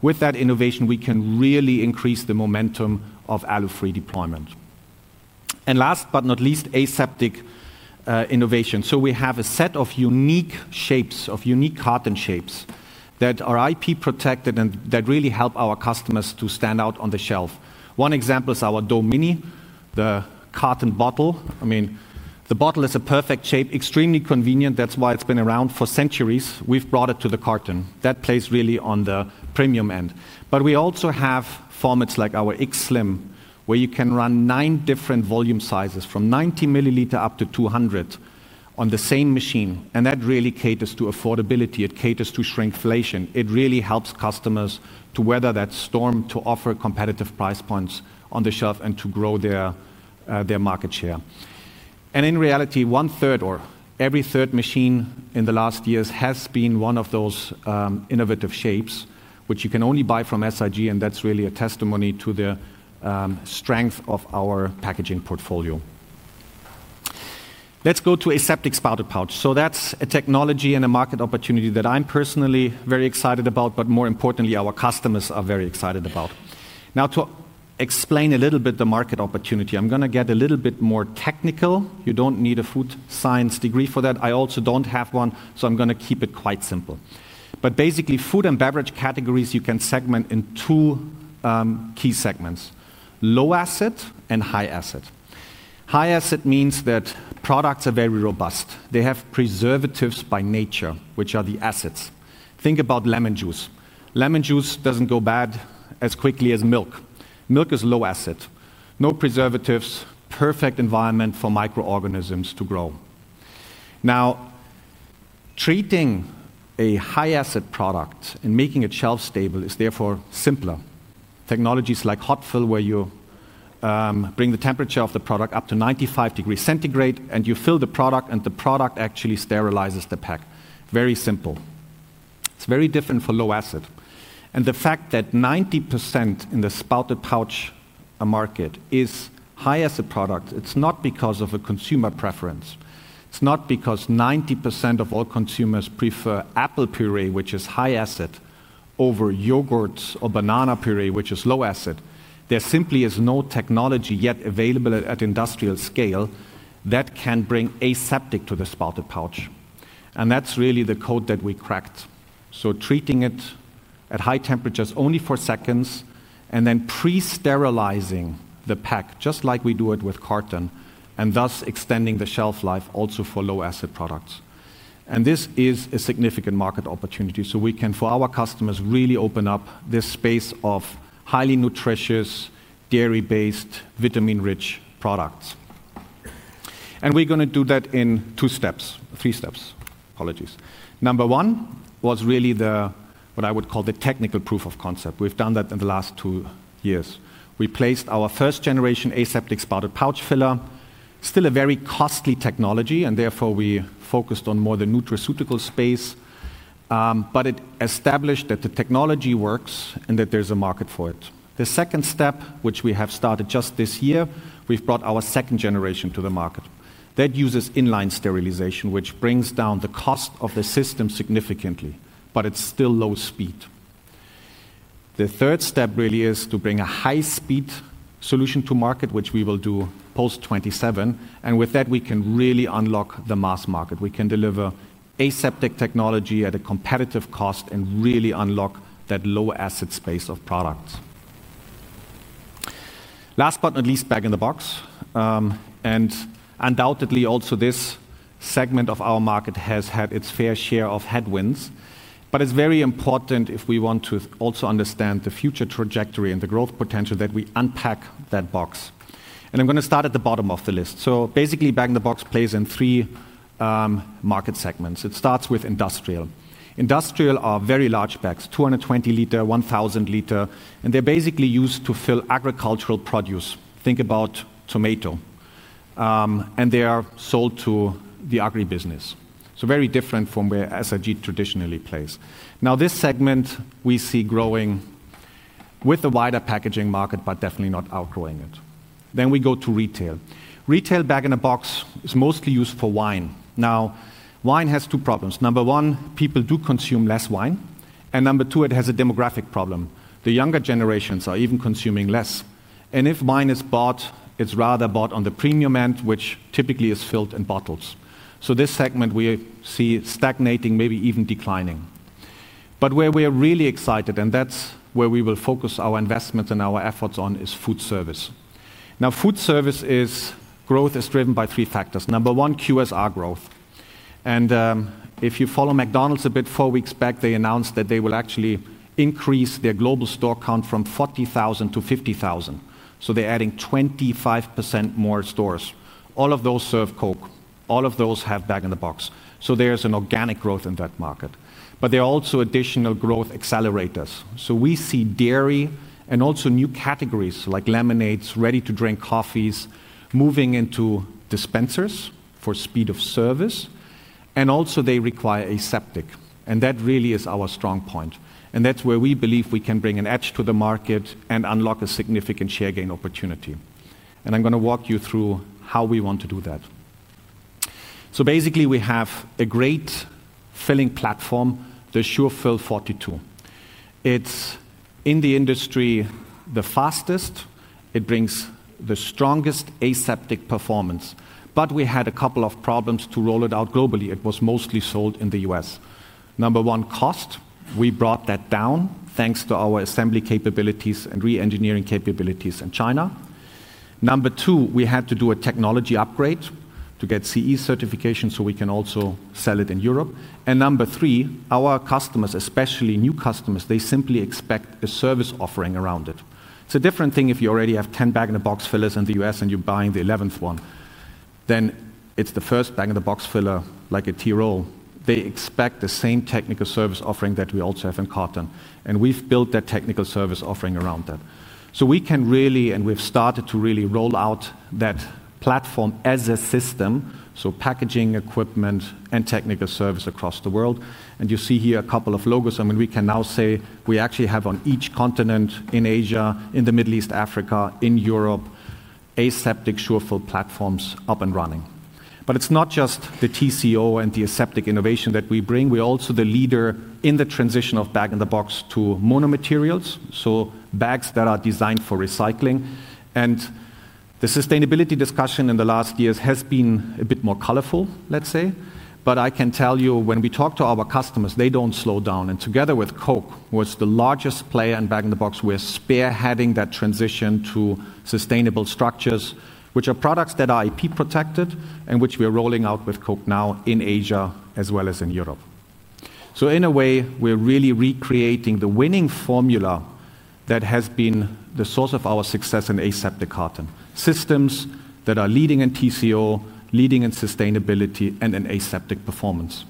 With that innovation, we can really increase the momentum of alu-free barrier aseptic packaging deployment. Last but not least, aseptic innovation. We have a set of unique shapes, of unique carton shapes that are IP protected and that really help our customers to stand out on the shelf. One example is our Dome Mini, the carton bottle. The bottle is a perfect shape, extremely convenient. That's why it's been around for centuries. We've brought it to the carton. That plays really on the premium end. We also have formats like our X Slim, where you can run nine different volume sizes from 90 milliliters up to 200 on the same machine. That really caters to affordability. It caters to shrinkflation. It really helps customers to weather that storm, to offer competitive price points on the shelf, and to grow their market share. In reality, one third, or every third machine in the last years, has been one of those innovative shapes, which you can only buy from SIG. That is really a testimony to the strength of our packaging portfolio. Let's go to aseptic spouted pouch. That is a technology and a market opportunity that I'm personally very excited about, but more importantly, our customers are very excited about. To explain a little bit the market opportunity, I'm going to get a little bit more technical. You don't need a food science degree for that. I also don't have one, so I'm going to keep it quite simple. Basically, food and beverage categories you can segment into two key segments: low acid and high acid. High acid means that products are very robust. They have preservatives by nature, which are the acids. Think about lemon juice. Lemon juice doesn't go bad as quickly as milk. Milk is low acid, no preservatives, perfect environment for microorganisms to grow. Treating a high acid product and making it shelf stable is therefore simpler. Technologies like hot fill, where you bring the temperature of the product up to 95 degrees centigrade, and you fill the product, and the product actually sterilizes the pack. Very simple. It's very different for low acid. The fact that 90% in the spouted pouch market is high acid products, it's not because of a consumer preference. It's not because 90% of all consumers prefer apple puree, which is high acid, over yogurts or banana puree, which is low acid. There simply is no technology yet available at industrial scale that can bring aseptic to the spouted pouch. That is really the code that we cracked. Treating it at high temperatures only for seconds, and then pre-sterilizing the pack, just like we do it with carton, and thus extending the shelf life also for low acid products. This is a significant market opportunity. We can, for our customers, really open up this space of highly nutritious, dairy-based, vitamin-rich products. We're going to do that in two steps, three steps, apologies. Number one was really what I would call the technical proof of concept. We've done that in the last two years. We placed our first-generation aseptic spouted pouch filler, still a very costly technology, and therefore we focused on more the nutraceutical space. It established that the technology works and that there's a market for it. The second step, which we have started just this year, we've brought our second generation to the market. That uses inline sterilization, which brings down the cost of the system significantly, but it's still low speed. The third step really is to bring a high-speed solution to market, which we will do post-2027. With that, we can really unlock the mass market. We can deliver aseptic technology at a competitive cost and really unlock that low acid space of products. Last but not least, bag-in-box. Undoubtedly, also this segment of our market has had its fair share of headwinds. It's very important if we want to also understand the future trajectory and the growth potential that we unpack that box. I'm going to start at the bottom of the list. Basically, bag-in-box plays in three market segments. It starts with industrial. Industrial are very large bags, 220 liter, 1,000 liter, and they're basically used to fill agricultural produce. Think about tomato. They are sold to the agribusiness. Very different from where SIG traditionally plays. This segment we see growing with the wider packaging market, but definitely not outgrowing it. We go to retail. Retail bag-in-box is mostly used for wine. Wine has two problems. Number one, people do consume less wine. Number two, it has a demographic problem. The younger generations are even consuming less. If wine is bought, it's rather bought on the premium end, which typically is filled in bottles. This segment we see stagnating, maybe even declining. Where we're really excited, and that's where we will focus our investments and our efforts on, is food service. Food service growth is driven by three factors. Number one, QSR growth. If you follow McDonald's a bit, four weeks back, they announced that they will actually increase their global store count from 40,000-50,000. They're adding 25% more stores. All of those serve Coke. All of those have bag-in-box. There's an organic growth in that market. There are also additional growth accelerators. We see dairy and also new categories like lemonades, ready-to-drink coffees moving into dispensers for speed of service. They require aseptic. That really is our strong point. That is where we believe we can bring an edge to the market and unlock a significant share gain opportunity. I'm going to walk you through how we want to do that. Basically, we have a great filling platform, the SureFill 42. It's in the industry the fastest. It brings the strongest aseptic performance. We had a couple of problems to roll it out globally. It was mostly sold in the U.S. Number one, cost. We brought that down thanks to our assembly capabilities and re-engineering capabilities in China. Number two, we had to do a technology upgrade to get CE certification so we can also sell it in Europe. Number three, our customers, especially new customers, simply expect a service offering around it. It's a different thing if you already have 10 bag-in-box fillers in the U.S. and you're buying the 11th one. If it's the first bag-in-box filler like a Tyrol, they expect the same technical service offering that we also have in carton. We've built that technical service offering around that. We can really, and we've started to really roll out that platform as a system. Packaging equipment and technical service across the world. You see here a couple of logos. We can now say we actually have on each continent in Asia, in the Middle East, Africa, in Europe, aseptic SureFill platforms up and running. It is not just the TCO and the aseptic innovation that we bring. We're also the leader in the transition of bag-in-box to monomaterials. Bags that are designed for recycling. The sustainability discussion in the last years has been a bit more colorful, let's say. I can tell you, when we talk to our customers, they don't slow down. Together with Coke, who is the largest player in bag-in-box, we're spearheading that transition to sustainable structures, which are products that are IP protected and which we are rolling out with Coke now in Asia as well as in Europe. In a way, we're really recreating the winning formula that has been the source of our success in aseptic carton. Systems that are leading in TCO, leading in sustainability, and in aseptic performance.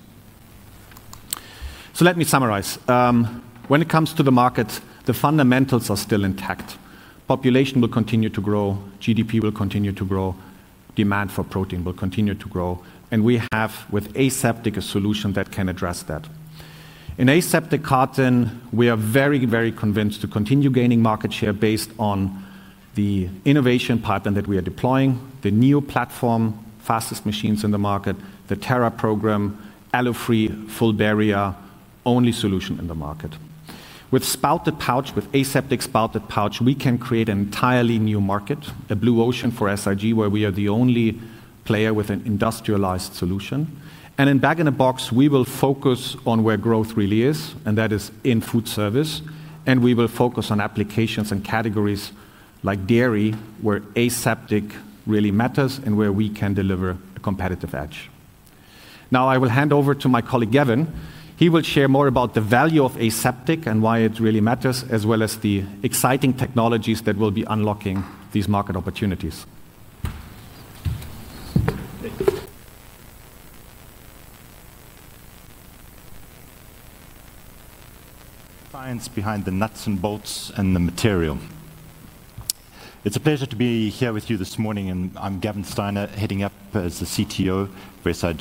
Let me summarize. When it comes to the market, the fundamentals are still intact. Population will continue to grow. GDP will continue to grow. Demand for protein will continue to grow. We have, with aseptic, a solution that can address that. In aseptic carton, we are very, very convinced to continue gaining market share based on the innovation pipeline that we are deploying, the new platform, fastest machines in the market, the Terra program, alu-free barrier-only solution in the market. With spouted pouch, with aseptic spouted pouch, we can create an entirely new market, a blue ocean for SIG, where we are the only player with an industrialized solution. In bag-in-box, we will focus on where growth really is, and that is in food service. We will focus on applications and categories like dairy, where aseptic really matters and where we can deliver a competitive edge. Now, I will hand over to my colleague Gavin. He will share more about the value of aseptic and why it really matters, as well as the exciting technologies that will be unlocking these market opportunities. Science behind the nuts and bolts and the material. It's a pleasure to be here with you this morning, and I'm Gavin Steiner, heading up as the Chief Technology Officer for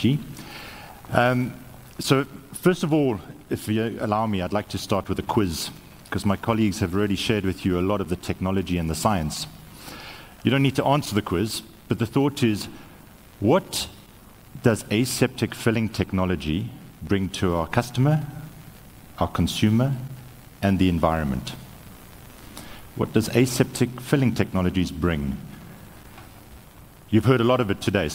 SIG. First of all, if you allow me, I'd like to start with a quiz because my colleagues have already shared with you a lot of the technology and the science. You don't need to answer the quiz, but the thought is, what does aseptic filling technology bring to our customer, our consumer, and the environment? What does aseptic filling technologies bring? You've heard a lot of it today.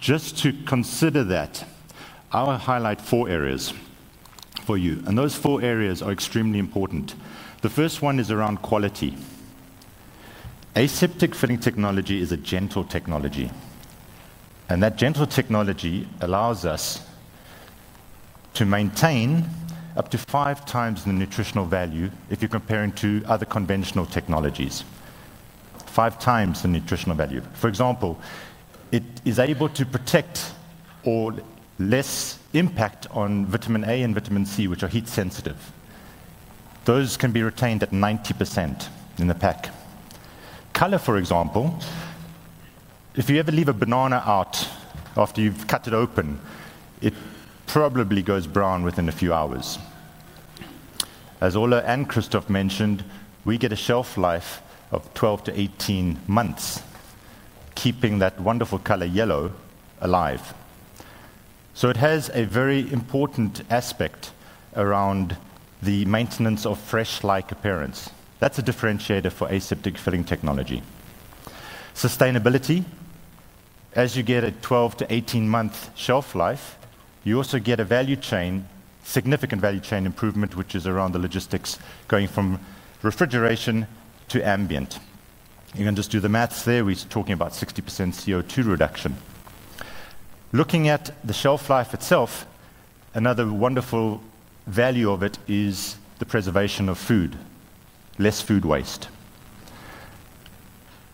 Just to consider that, I'll highlight four areas for you. Those four areas are extremely important. The first one is around quality. Aseptic filling technology is a gentle technology, and that gentle technology allows us to maintain up to five times the nutritional value if you're comparing to other conventional technologies. Five times the nutritional value. For example, it is able to protect or less impact on vitamin A and vitamin C, which are heat sensitive. Those can be retained at 90% in the pack. Color, for example, if you ever leave a banana out after you've cut it open, it probably goes brown within a few hours. As Ola and Christoph mentioned, we get a shelf life of 12 to 18 months, keeping that wonderful color yellow alive. It has a very important aspect around the maintenance of fresh-like appearance. That's a differentiator for aseptic filling technology. Sustainability, as you get a 12-18 month shelf life, you also get a value chain, significant value chain improvement, which is around the logistics going from refrigeration to ambient. You can just do the maths there. We're talking about 60% CO2 reduction. Looking at the shelf life itself, another wonderful value of it is the preservation of food, less food waste.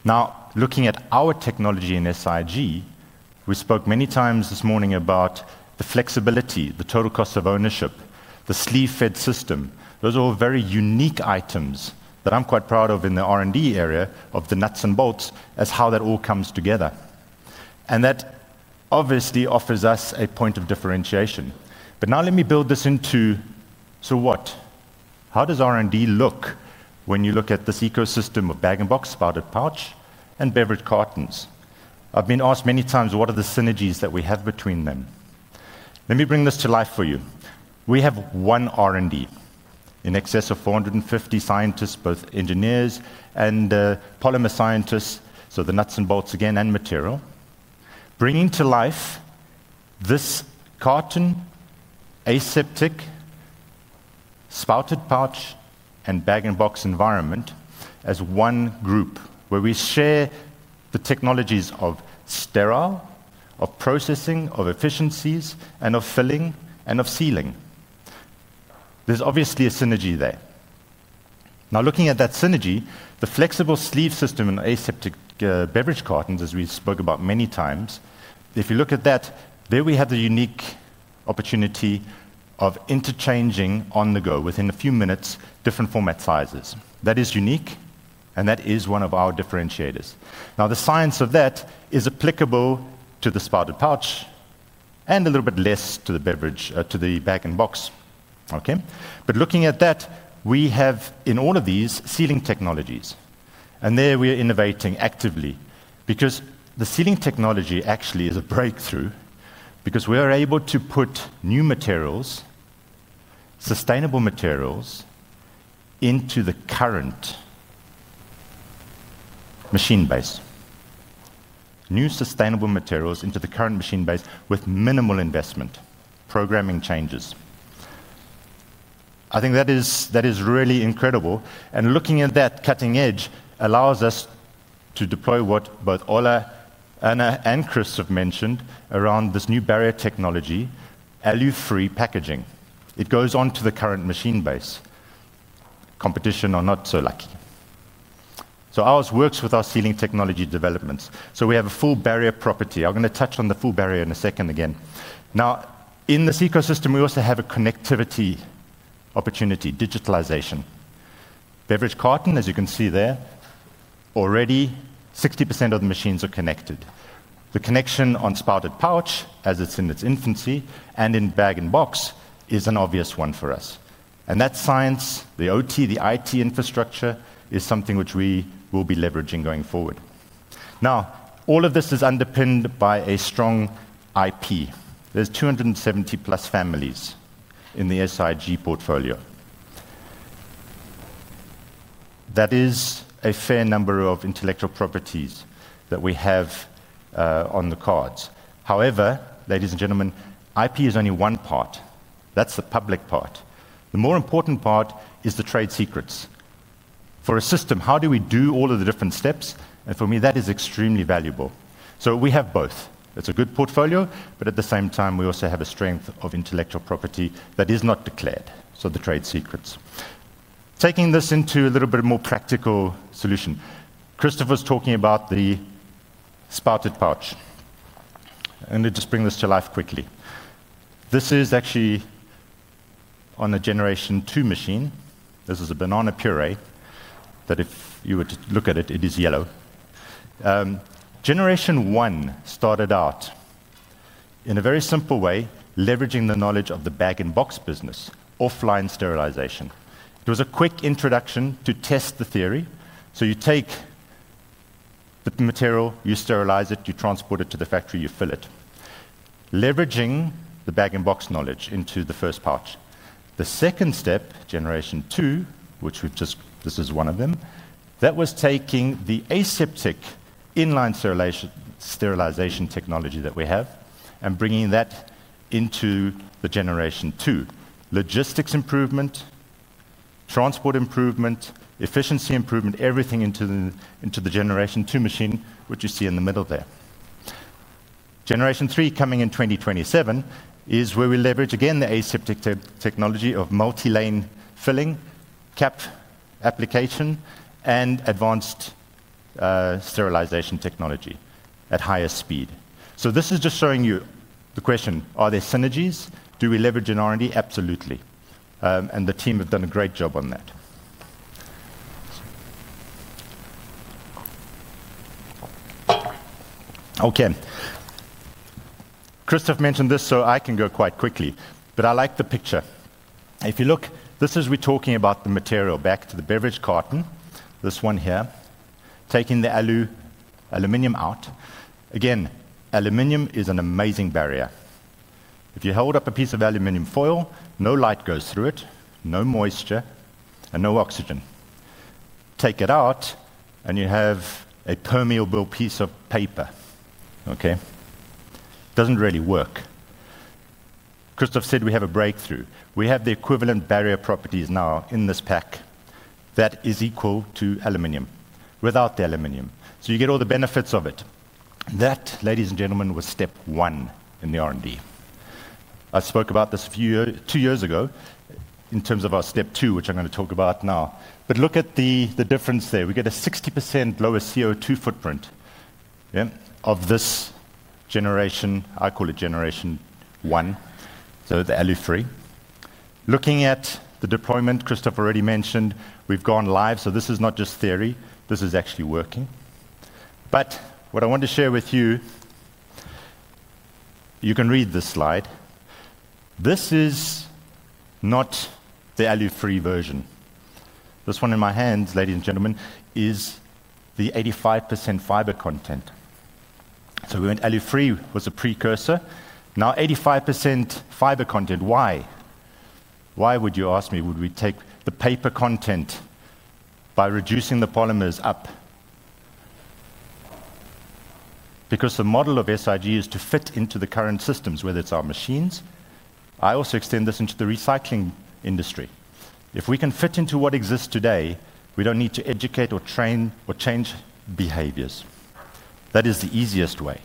Now, looking at our technology in SIG, we spoke many times this morning about the flexibility, the total cost of ownership, the sleeve-fed system. Those are all very unique items that I'm quite proud of in the R&D area of the nuts and bolts as how that all comes together. That obviously offers us a point of differentiation. Now let me build this into, so what? How does R&D look when you look at this ecosystem of bag-in-box spouted pouch and beverage cartons? I've been asked many times, what are the synergies that we have between them? Let me bring this to life for you. We have one R&D in excess of 450 scientists, both engineers and polymer scientists, so the nuts and bolts again and material, bringing to life this carton, aseptic, spouted pouch, and bag-in-box environment as one group where we share the technologies of sterile, of processing, of efficiencies, and of filling, and of sealing. There is obviously a synergy there. Now, looking at that synergy, the flexible sleeve system in aseptic beverage cartons, as we spoke about many times, if you look at that, there we have a unique opportunity of interchanging on the go within a few minutes, different format sizes. That is unique, and that is one of our differentiators. The science of that is applicable to the spouted pouch and a little bit less to the bag-in-box. Looking at that, we have in all of these sealing technologies, and there we are innovating actively because the sealing technology actually is a breakthrough because we are able to put new materials, sustainable materials into the current machine base. New sustainable materials into the current machine base with minimal investment, programming changes. I think that is really incredible. Looking at that cutting edge allows us to deploy what both Ove, Anna, and Chris have mentioned around this new barrier technology, alu-free packaging. It goes onto the current machine base. Competition are not so lucky. Ours works with our sealing technology developments. We have a full barrier property. I'm going to touch on the full barrier in a second again. In this ecosystem, we also have a connectivity opportunity, digitalization. Beverage carton, as you can see there, already 60% of the machines are connected. The connection on spouted pouch, as it's in its infancy and in bag-in-box, is an obvious one for us. That is science. The OT, the IT infrastructure is something which we will be leveraging going forward. All of this is underpinned by a strong IP. There are 270 plus families in the SIG portfolio. That is a fair number of intellectual properties that we have on the cards. However, ladies and gentlemen, IP is only one part. That's the public part. The more important part is the trade secrets. For a system, how do we do all of the different steps? For me, that is extremely valuable. We have both. It's a good portfolio, but at the same time, we also have a strength of intellectual property that is not declared. The trade secrets. Taking this into a little bit more practical solution, Christopher's talking about the spouted pouch. I'm going to just bring this to life quickly. This is actually on a generation two machine. This is a banana puree that if you were to look at it, it is yellow. Generation one started out in a very simple way, leveraging the knowledge of the bag-in-box business, offline sterilization. It was a quick introduction to test the theory. You take the material, you sterilize it, you transport it to the factory, you fill it, leveraging the bag-in-box knowledge into the first pouch. The second step, generation two, which we've just, this is one of them, that was taking the aseptic in-line sterilization technology that we have and bringing that into the generation two. Logistics improvement, transport improvement, efficiency improvement, everything into the generation two machine, which you see in the middle there. Generation three coming in 2027 is where we leverage again the aseptic technology of multi-lane filling, cap application, and advanced sterilization technology at higher speed. This is just showing you the question, are there synergies? Do we leverage in R&D? Absolutely. The team have done a great job on that. Christoph mentioned this, so I can go quite quickly, but I like the picture. If you look, this is we're talking about the material back to the beverage carton, this one here, taking the alloy aluminum out. Aluminum is an amazing barrier. If you hold up a piece of aluminum foil, no light goes through it, no moisture, and no oxygen. Take it out and you have a permeable piece of paper. Doesn't really work. Christoph said we have a breakthrough. We have the equivalent barrier properties now in this pack that is equal to aluminum without the aluminum. You get all the benefits of it. That, ladies and gentlemen, was step one in the R&D. I spoke about this two years ago in terms of our step two, which I'm going to talk about now. Look at the difference there. We get a 60% lower CO2 footprint of this generation. I call it generation one. The alloy-free. Looking at the deployment, Christoph already mentioned, we've gone live. This is not just theory. This is actually working. What I want to share with you, you can read this slide. This is not the alloy-free version. This one in my hands, ladies and gentlemen, is the 85% fiber content. When alloy-free was a precursor, now 85% fiber content. Why? Why would you ask me? Would we take the paper content by reducing the polymers up? Because the model of SIG is to fit into the current systems, whether it's our machines. I also extend this into the recycling industry. If we can fit into what exists today, we don't need to educate or train or change behaviors. That is the easiest way.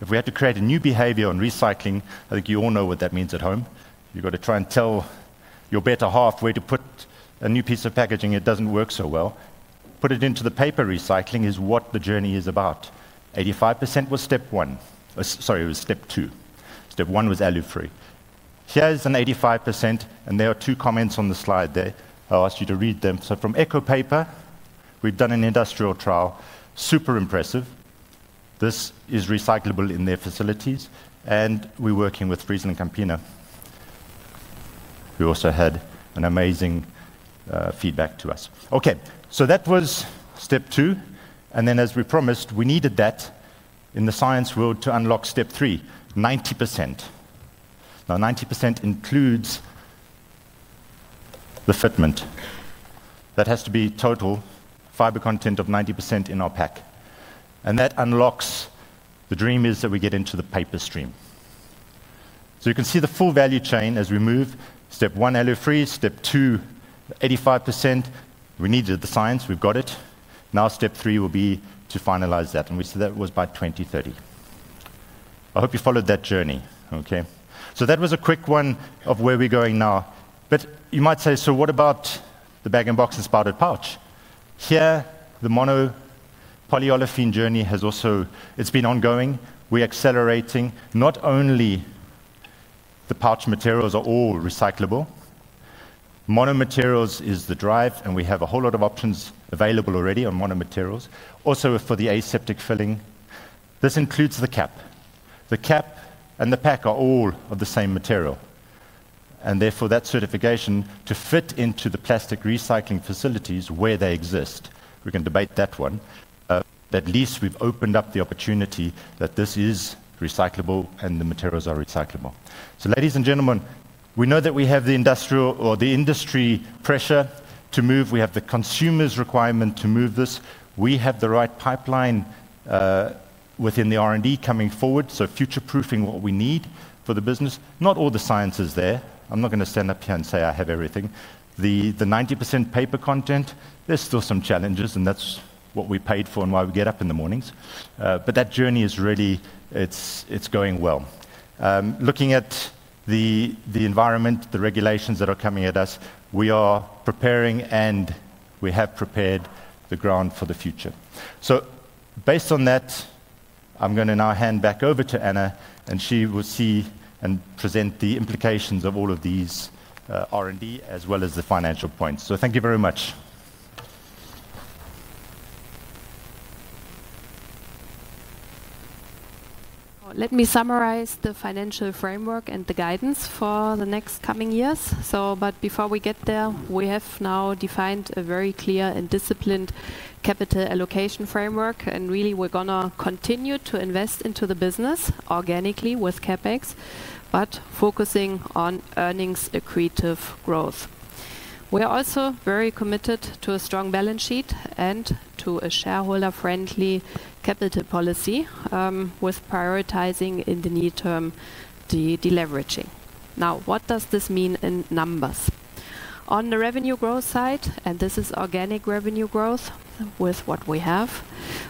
If we had to create a new behavior on recycling, I think you all know what that means at home. You've got to try and tell your better half where to put a new piece of packaging. It doesn't work so well. Put it into the paper recycling is what the journey is about. 85% was step one. Sorry, it was step two. Step one was alloy-free. Here's an 85%, and there are two comments on the slide there. I'll ask you to read them. From Eco Paper, we've done an industrial trial. Super impressive. This is recyclable in their facilities, and we're working with Friesland Campina, who also had amazing feedback to us. That was step two. As we promised, we needed that in the science world to unlock step three, 90%. Now, 90% includes the fitment. That has to be total fiber content of 90% in our pack. That unlocks the dream that we get into the paper stream. You can see the full value chain as we move step one alloy-free, step two 85%. We needed the science. We've got it. Now step three will be to finalize that. We said that was by 2030. I hope you followed that journey. That was a quick one of where we're going now. You might say, what about the bag-in-box and spouted pouch? Here, the mono polyolefin journey has also been ongoing. We're accelerating. Not only the pouch materials are all recyclable. Mono materials is the drive, and we have a whole lot of options available already on mono materials. Also, for the aseptic filling, this includes the cap. The cap and the pack are all of the same material. Therefore, that certification to fit into the plastic recycling facilities where they exist. We can debate that one. At least we've opened up the opportunity that this is recyclable and the materials are recyclable. Ladies and gentlemen, we know that we have the industrial or the industry pressure to move. We have the consumer's requirement to move this. We have the right pipeline within the R&D coming forward. Future-proofing what we need for the business. Not all the science is there. I'm not going to stand up here and say I have everything. The 90% paper content, there's still some challenges in there. We paid for and why we get up in the mornings. That journey is really, it's going well. Looking at the environment, the regulations that are coming at us, we are preparing and we have prepared the ground for the future. Based on that, I'm going to now hand back over to Anna, and she will see and present the implications of all of these R&D as well as the financial points. Thank you very much. Let me summarize the financial framework and the guidance for the next coming years. Before we get there, we have now defined a very clear and disciplined capital allocation framework, and really we're going to continue to invest into the business organically with CapEx, but focusing on earnings accretive growth. We're also very committed to a strong balance sheet and to a shareholder-friendly capital policy, with prioritizing in the near term the leveraging. Now, what does this mean in numbers? On the revenue growth side, and this is organic revenue growth with what we have,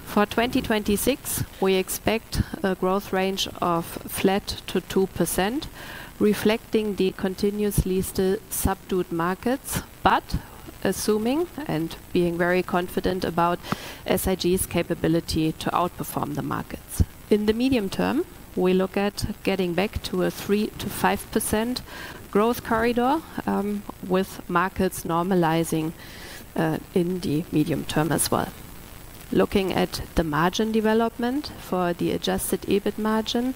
for 2026, we expect a growth range of flat to 2%, reflecting the continuously still subdued markets, but assuming and being very confident about SIG's capability to outperform the markets. In the medium term, we look at getting back to a 3-5% growth corridor, with markets normalizing in the medium term as well. Looking at the margin development for the adjusted EBIT margin,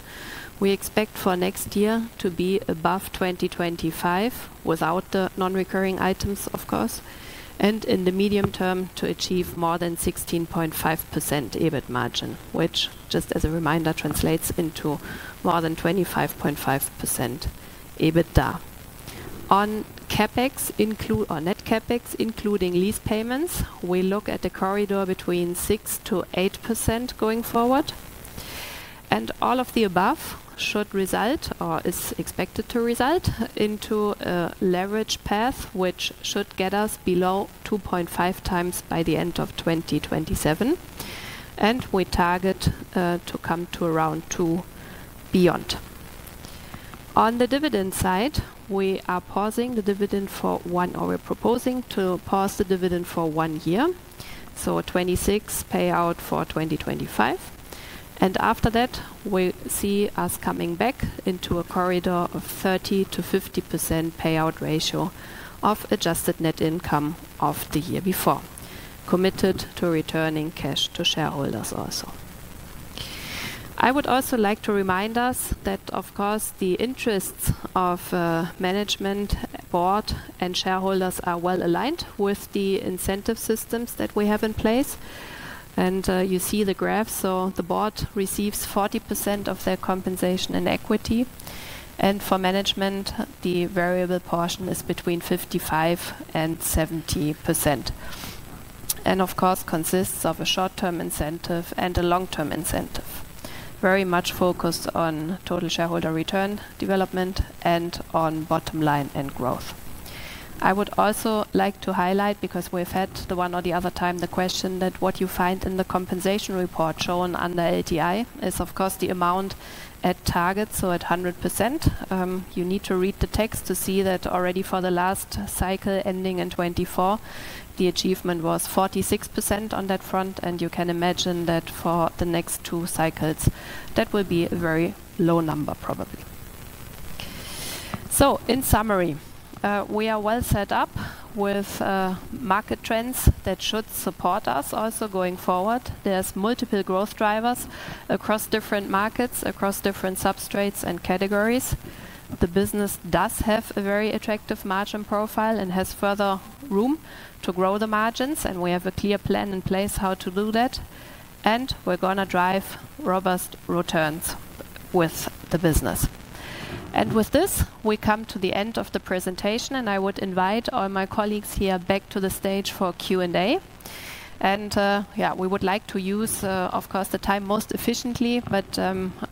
we expect for next year to be above 2025, without the non-recurring items, of course, and in the medium term to achieve more than 16.5% EBIT margin, which just as a reminder translates into more than 25.5% EBITDA. On Net CapEx including lease payments, we look at a corridor between 6-8% going forward. All of the above should result, or is expected to result, into a leverage path which should get us below 2.5 times by the end of 2027, and we target to come to around 2 beyond. On the dividend side, we are pausing the dividend for one, or we're proposing to pause the dividend for one year, so a 26 payout for 2025. After that, we see us coming back into a corridor of 30-50% payout ratio of adjusted net income of the year before, committed to returning cash to shareholders also. I would also like to remind us that, of course, the interests of management, board, and shareholders are well aligned with the incentive systems that we have in place. You see the graph, so the board receives 40% of their compensation in equity, and for management, the variable portion is between 55% and 70%. Of course, consists of a short-term incentive and a long-term incentive, very much focused on total shareholder return development and on bottom line and growth. I would also like to highlight, because we've had the one or the other time the question that what you find in the compensation report shown under LTI is, of course, the amount at target, so at 100%. You need to read the text to see that already for the last cycle ending in 2024, the achievement was 46% on that front, and you can imagine that for the next two cycles, that will be a very low number probably. In summary, we are well set up with market trends that should support us also going forward. There are multiple growth drivers across different markets, across different substrates and categories. The business does have a very attractive margin profile and has further room to grow the margins, and we have a clear plan in place how to do that. We are going to drive robust returns with the business. With this, we come to the end of the presentation, and I would invite all my colleagues here back to the stage for Q&A. We would like to use, of course, the time most efficiently, but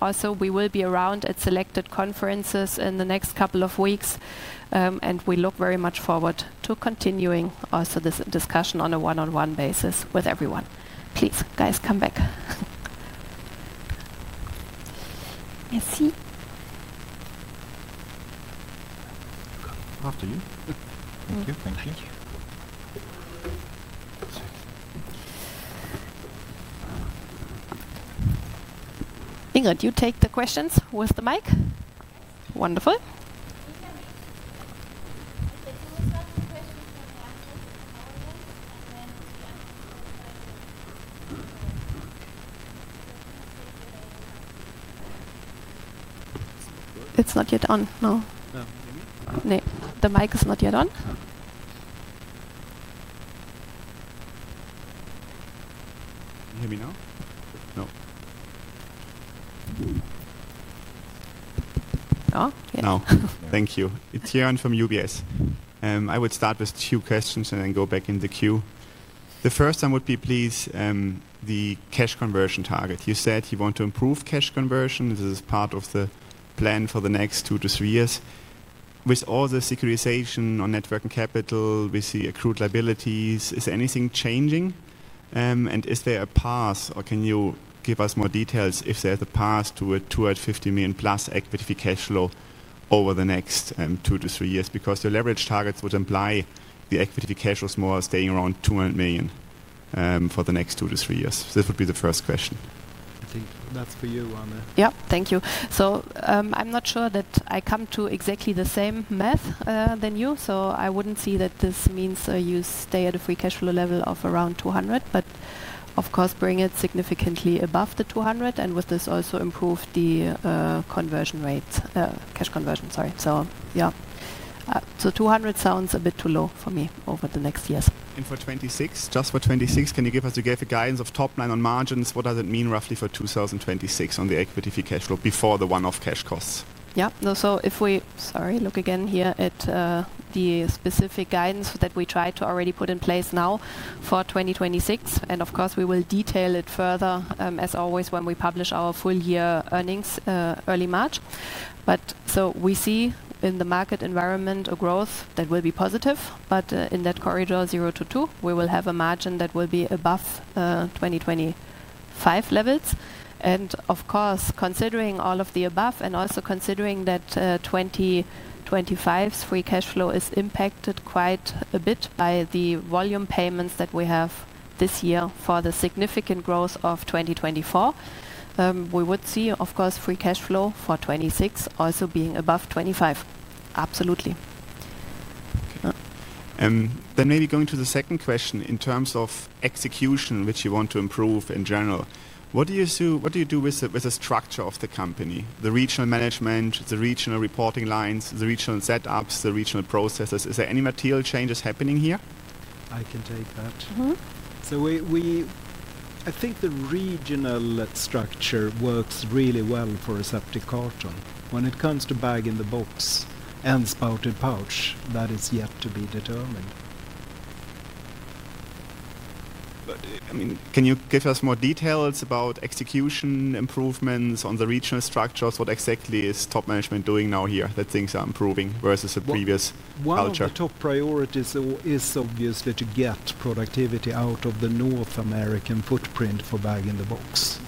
also we will be around at selected conferences in the next couple of weeks, and we look very much forward to continuing also this discussion on a one-on-one basis with everyone. Please, guys, come back. I see. After you. Thank you. Thank you. Ingrid, you take the questions with the mic? Yes. Wonderful. We have a question from the Answers in PowerPoint, and then the Answers from the PowerPoint. I don't know if you're able to see it. It's not yet on, no. Can you hear me? No, the mic is not yet on. Can you hear me now? No. Oh, yes. Now, thank you. It's Jörn from UBS. I would start with two questions and then go back in the queue. The first one would be, please, the cash conversion target. You said you want to improve cash conversion. This is part of the plan for the next two to three years. With all the securitization on net working capital, we see accrued liabilities. Is anything changing? Is there a path, or can you give us more details if there's a path to a $250 million plus equity cash flow over the next two to three years? The leverage targets would imply the equity cash flow is more staying around $200 million for the next two to three years. This would be the first question. I think that's for you, Anna. Thank you. I'm not sure that I come to exactly the same math than you, so I wouldn't see that this means you stay at a free cash flow level of around $200 million, but of course bring it significantly above the $200 million, and with this also improve the conversion rates, cash conversion, sorry. $200 million sounds a bit too low for me over the next years. For 2026, just for 2026, can you give us a guidance of top line on margins? What does it mean roughly for 2026 on the equity cash flow before the one-off cash costs? If we look again here at the specific guidance that we try to already put in place now for 2026, we will detail it further as always when we publish our full year earnings early March. We see in the market environment a growth that will be positive, but in that corridor 0 to 2%. We will have a margin that will be above 2025 levels. Of course, considering all of the above and also considering that 2025's free cash flow is impacted quite a bit by the volume payments that we have this year for the significant growth of 2024, we would see, of course, free cash flow for 2026 also being above 2025. Absolutely. Maybe going to the second question in terms of execution which you want to improve in general. What do you do with the structure of the company? The regional management, the regional reporting lines, the regional setups, the regional processes? Is there any material changes happening here? I can take that. Mm-hmm. I think the regional structure works really well for us up to quarter. When it comes to bag-in-box and aseptic spouted pouch, that is yet to be determined. Can you give us more details about execution improvements on the regional structures? What exactly is top management doing now here that things are improving versus the previous culture? One of the top priorities is obviously to get productivity out of the North American footprint for bag-in-box.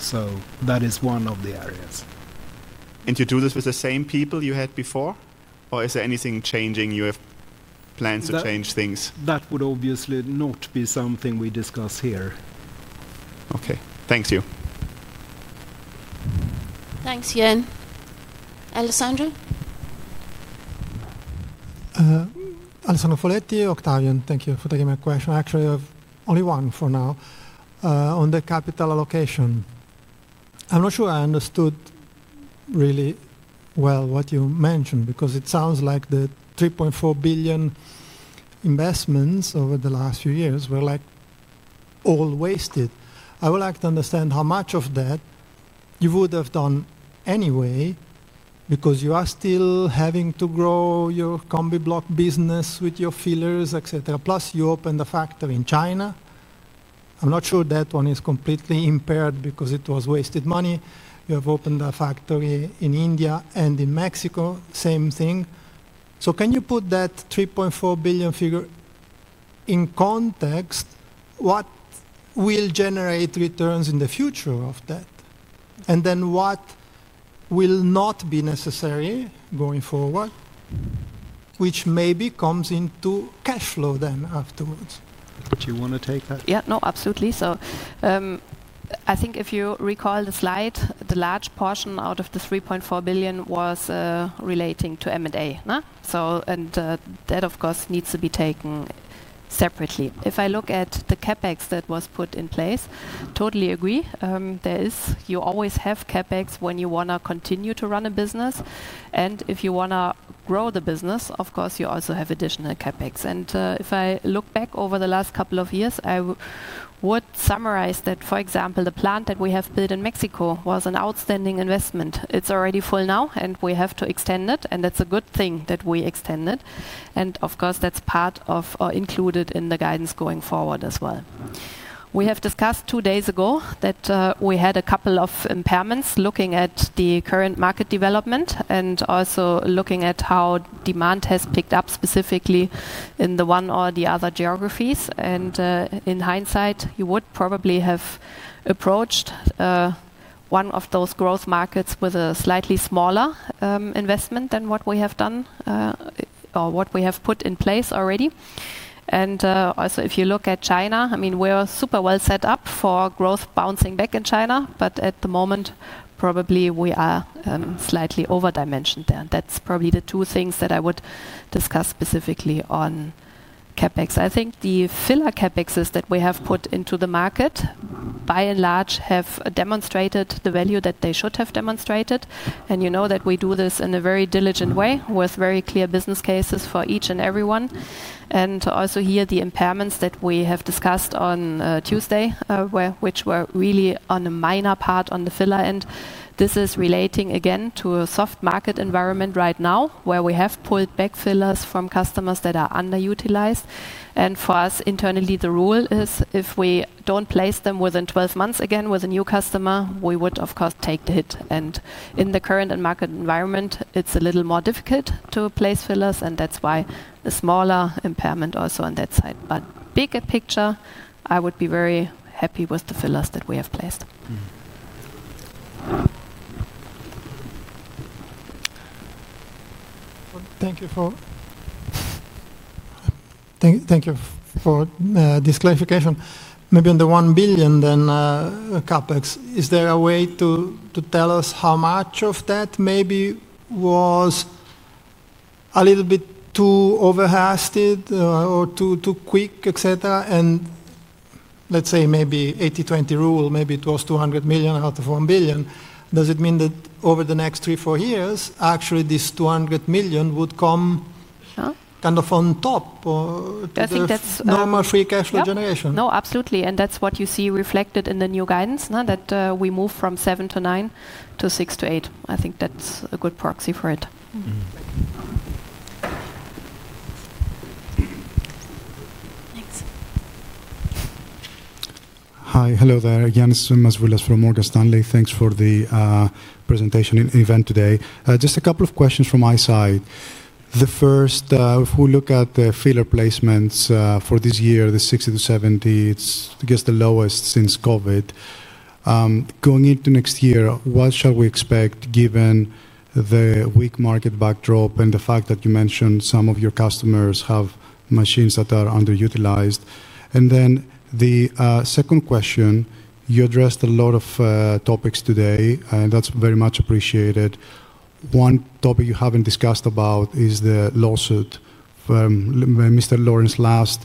That is one of the areas. Do you do this with the same people you had before, or is there anything changing? Do you have plans to change things? That would obviously not be something we discuss here. Okay, thank you. Thanks, Jörn. Alessandro. Alessandro Foletti, Octavian, thank you for taking my question. Actually, I have only one for now. On the capital allocation, I'm not sure I understood really well what you mentioned because it sounds like the $3.4 billion investments over the last few years were like all wasted. I would like to understand how much of that you would have done anyway because you are still having to grow your combi block business with your fillers, etc. Plus, you opened a factory in China. I'm not sure that one is completely impaired because it was wasted money. You have opened a factory in India and in Mexico, same thing. Can you put that $3.4 billion figure in context? What will generate returns in the future of that? What will not be necessary going forward, which maybe comes into cash flow then afterwards? Would you want to take that? Yeah, no, absolutely. I think if you recall the slide, the large portion out of the $3.4 billion was relating to M&A. That of course needs to be taken separately. If I look at the CapEx that was put in place, totally agree. You always have CapEx when you want to continue to run a business. If you want to grow the business, of course you also have additional CapEx. If I look back over the last couple of years, I would summarize that, for example, the plant that we have built in Mexico was an outstanding investment. It's already full now, and we have to extend it. That's a good thing that we extend it. Of course, that's part of or included in the guidance going forward as well. We have discussed two days ago that we had a couple of impairments looking at the current market development and also looking at how demand has picked up specifically in the one or the other geographies. In hindsight, you would probably have approached one of those growth markets with a slightly smaller investment than what we have done or what we have put in place already. Also, if you look at China, I mean, we're super well set up for growth bouncing back in China, but at the moment, probably we are slightly overdimensioned there. That's probably the two things that I would discuss specifically on CapEx. I think the filler CapExes that we have put into the market, by and large, have demonstrated the value that they should have demonstrated. You know that we do this in a very diligent way with very clear business cases for each and everyone. Also here, the impairments that we have discussed on Tuesday, which were really on a minor part on the filler end, this is relating again to a soft market environment right now where we have pulled back fillers from customers that are underutilized. For us internally, the rule is if we don't place them within 12 months again with a new customer, we would of course take the hit. In the current market environment, it's a little more difficult to place fillers, and that's why a smaller impairment also on that side. Bigger picture, I would be very happy with the fillers that we have placed. Thank you for this clarification. Maybe on the $1 billion CapEx, is there a way to tell us how much of that maybe was a little bit too overhasted or too quick, etc.? Let's say maybe 80-20 rule, maybe it was $200 million out of $1 billion. Does it mean that over the next three, four years, actually this $200 million would come kind of on top of normal free cash flow generation? No, absolutely. That is what you see reflected in the new guidance, that we move from 7%-9%-6%-8%. I think that's a good proxy for it. Thanks. Hi, hello there. Yannis Spanopoulos from Morgan Stanley. Thanks for the presentation event today. Just a couple of questions from my side. The first, if we look at the filler placements for this year, the 60-70, it's I guess the lowest since COVID. Going into next year, what shall we expect given the weak market backdrop and the fact that you mentioned some of your customers have machines that are underutilized? The second question, you addressed a lot of topics today, and that's very much appreciated. One topic you haven't discussed about is the lawsuit by Mr. Lawrence last.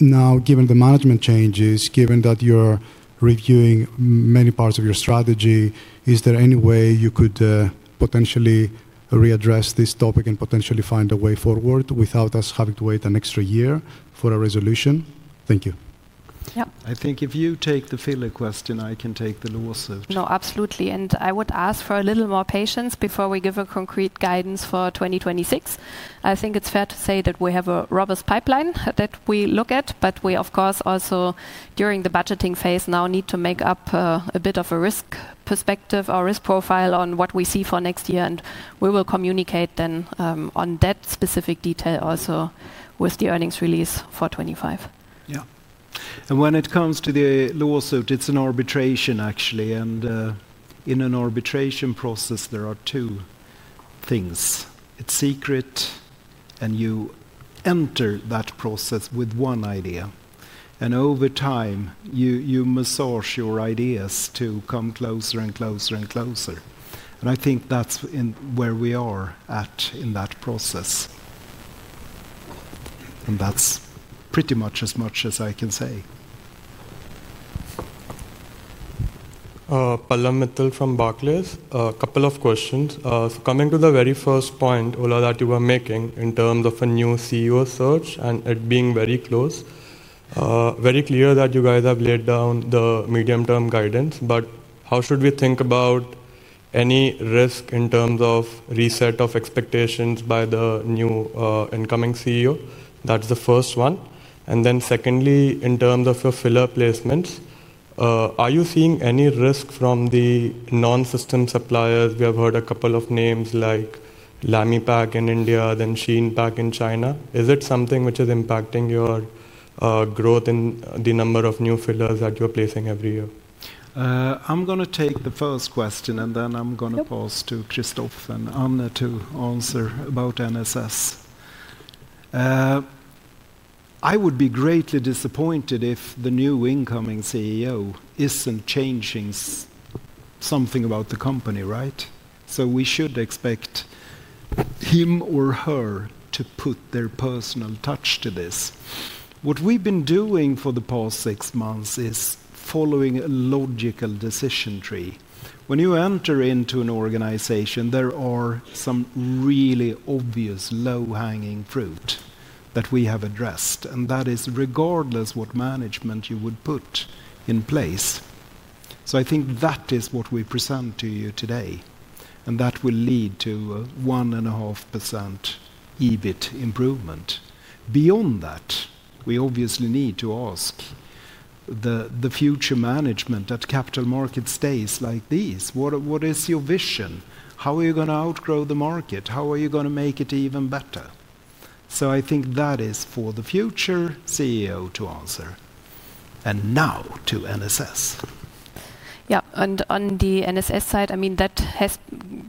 Now, given the management changes, given that you're reviewing many parts of your strategy, is there any way you could potentially readdress this topic and potentially find a way forward without us having to wait an extra year for a resolution? Thank you. I think if you take the filler question, I can take the lawsuit. No, absolutely. I would ask for a little more patience before we give a concrete guidance for 2026. I think it's fair to say that we have a robust pipeline that we look at, but we of course also during the budgeting phase now need to make up a bit of a risk perspective or risk profile on what we see for next year. We will communicate then on that specific detail also with the earnings release for 2025. When it comes to the lawsuit, it's an arbitration actually. In an arbitration process, there are two things. It's secret, and you enter that process with one idea. Over time, you massage your ideas to come closer and closer and closer. I think that's where we are at in that process. That's pretty much as much as I can say. Parliamental from Barclays. A couple of questions. Coming to the very first point, Ove, that you were making in terms of a new CEO search and it being very close, it's very clear that you guys have laid down the medium-term guidance. How should we think about any risk in terms of reset of expectations by the new incoming CEO? That's the first one. Secondly, in terms of your filler placements, are you seeing any risk from the non-system suppliers? We have heard a couple of names like Lammy Pack in India, then Sheen Pack in China. Is it something which is impacting your growth in the number of new fillers that you're placing every year? I'm going to take the first question, and then I'm going to pause to Christophe and Anna to answer about NSS. I would be greatly disappointed if the new incoming CEO isn't changing something about the company, right? We should expect him or her to put their personal touch to this. What we've been doing for the past six months is following a logical decision tree. When you enter into an organization, there are some really obvious low-hanging fruit that we have addressed. That is regardless of what management you would put in place. I think that is what we present to you today, and that will lead to a 1.5% EBIT improvement. Beyond that, we obviously need to ask the future management at capital market days like these, what is your vision? How are you going to outgrow the market? How are you going to make it even better? I think that is for the future CEO to answer. Now to NSS. Yeah, on the NSS side,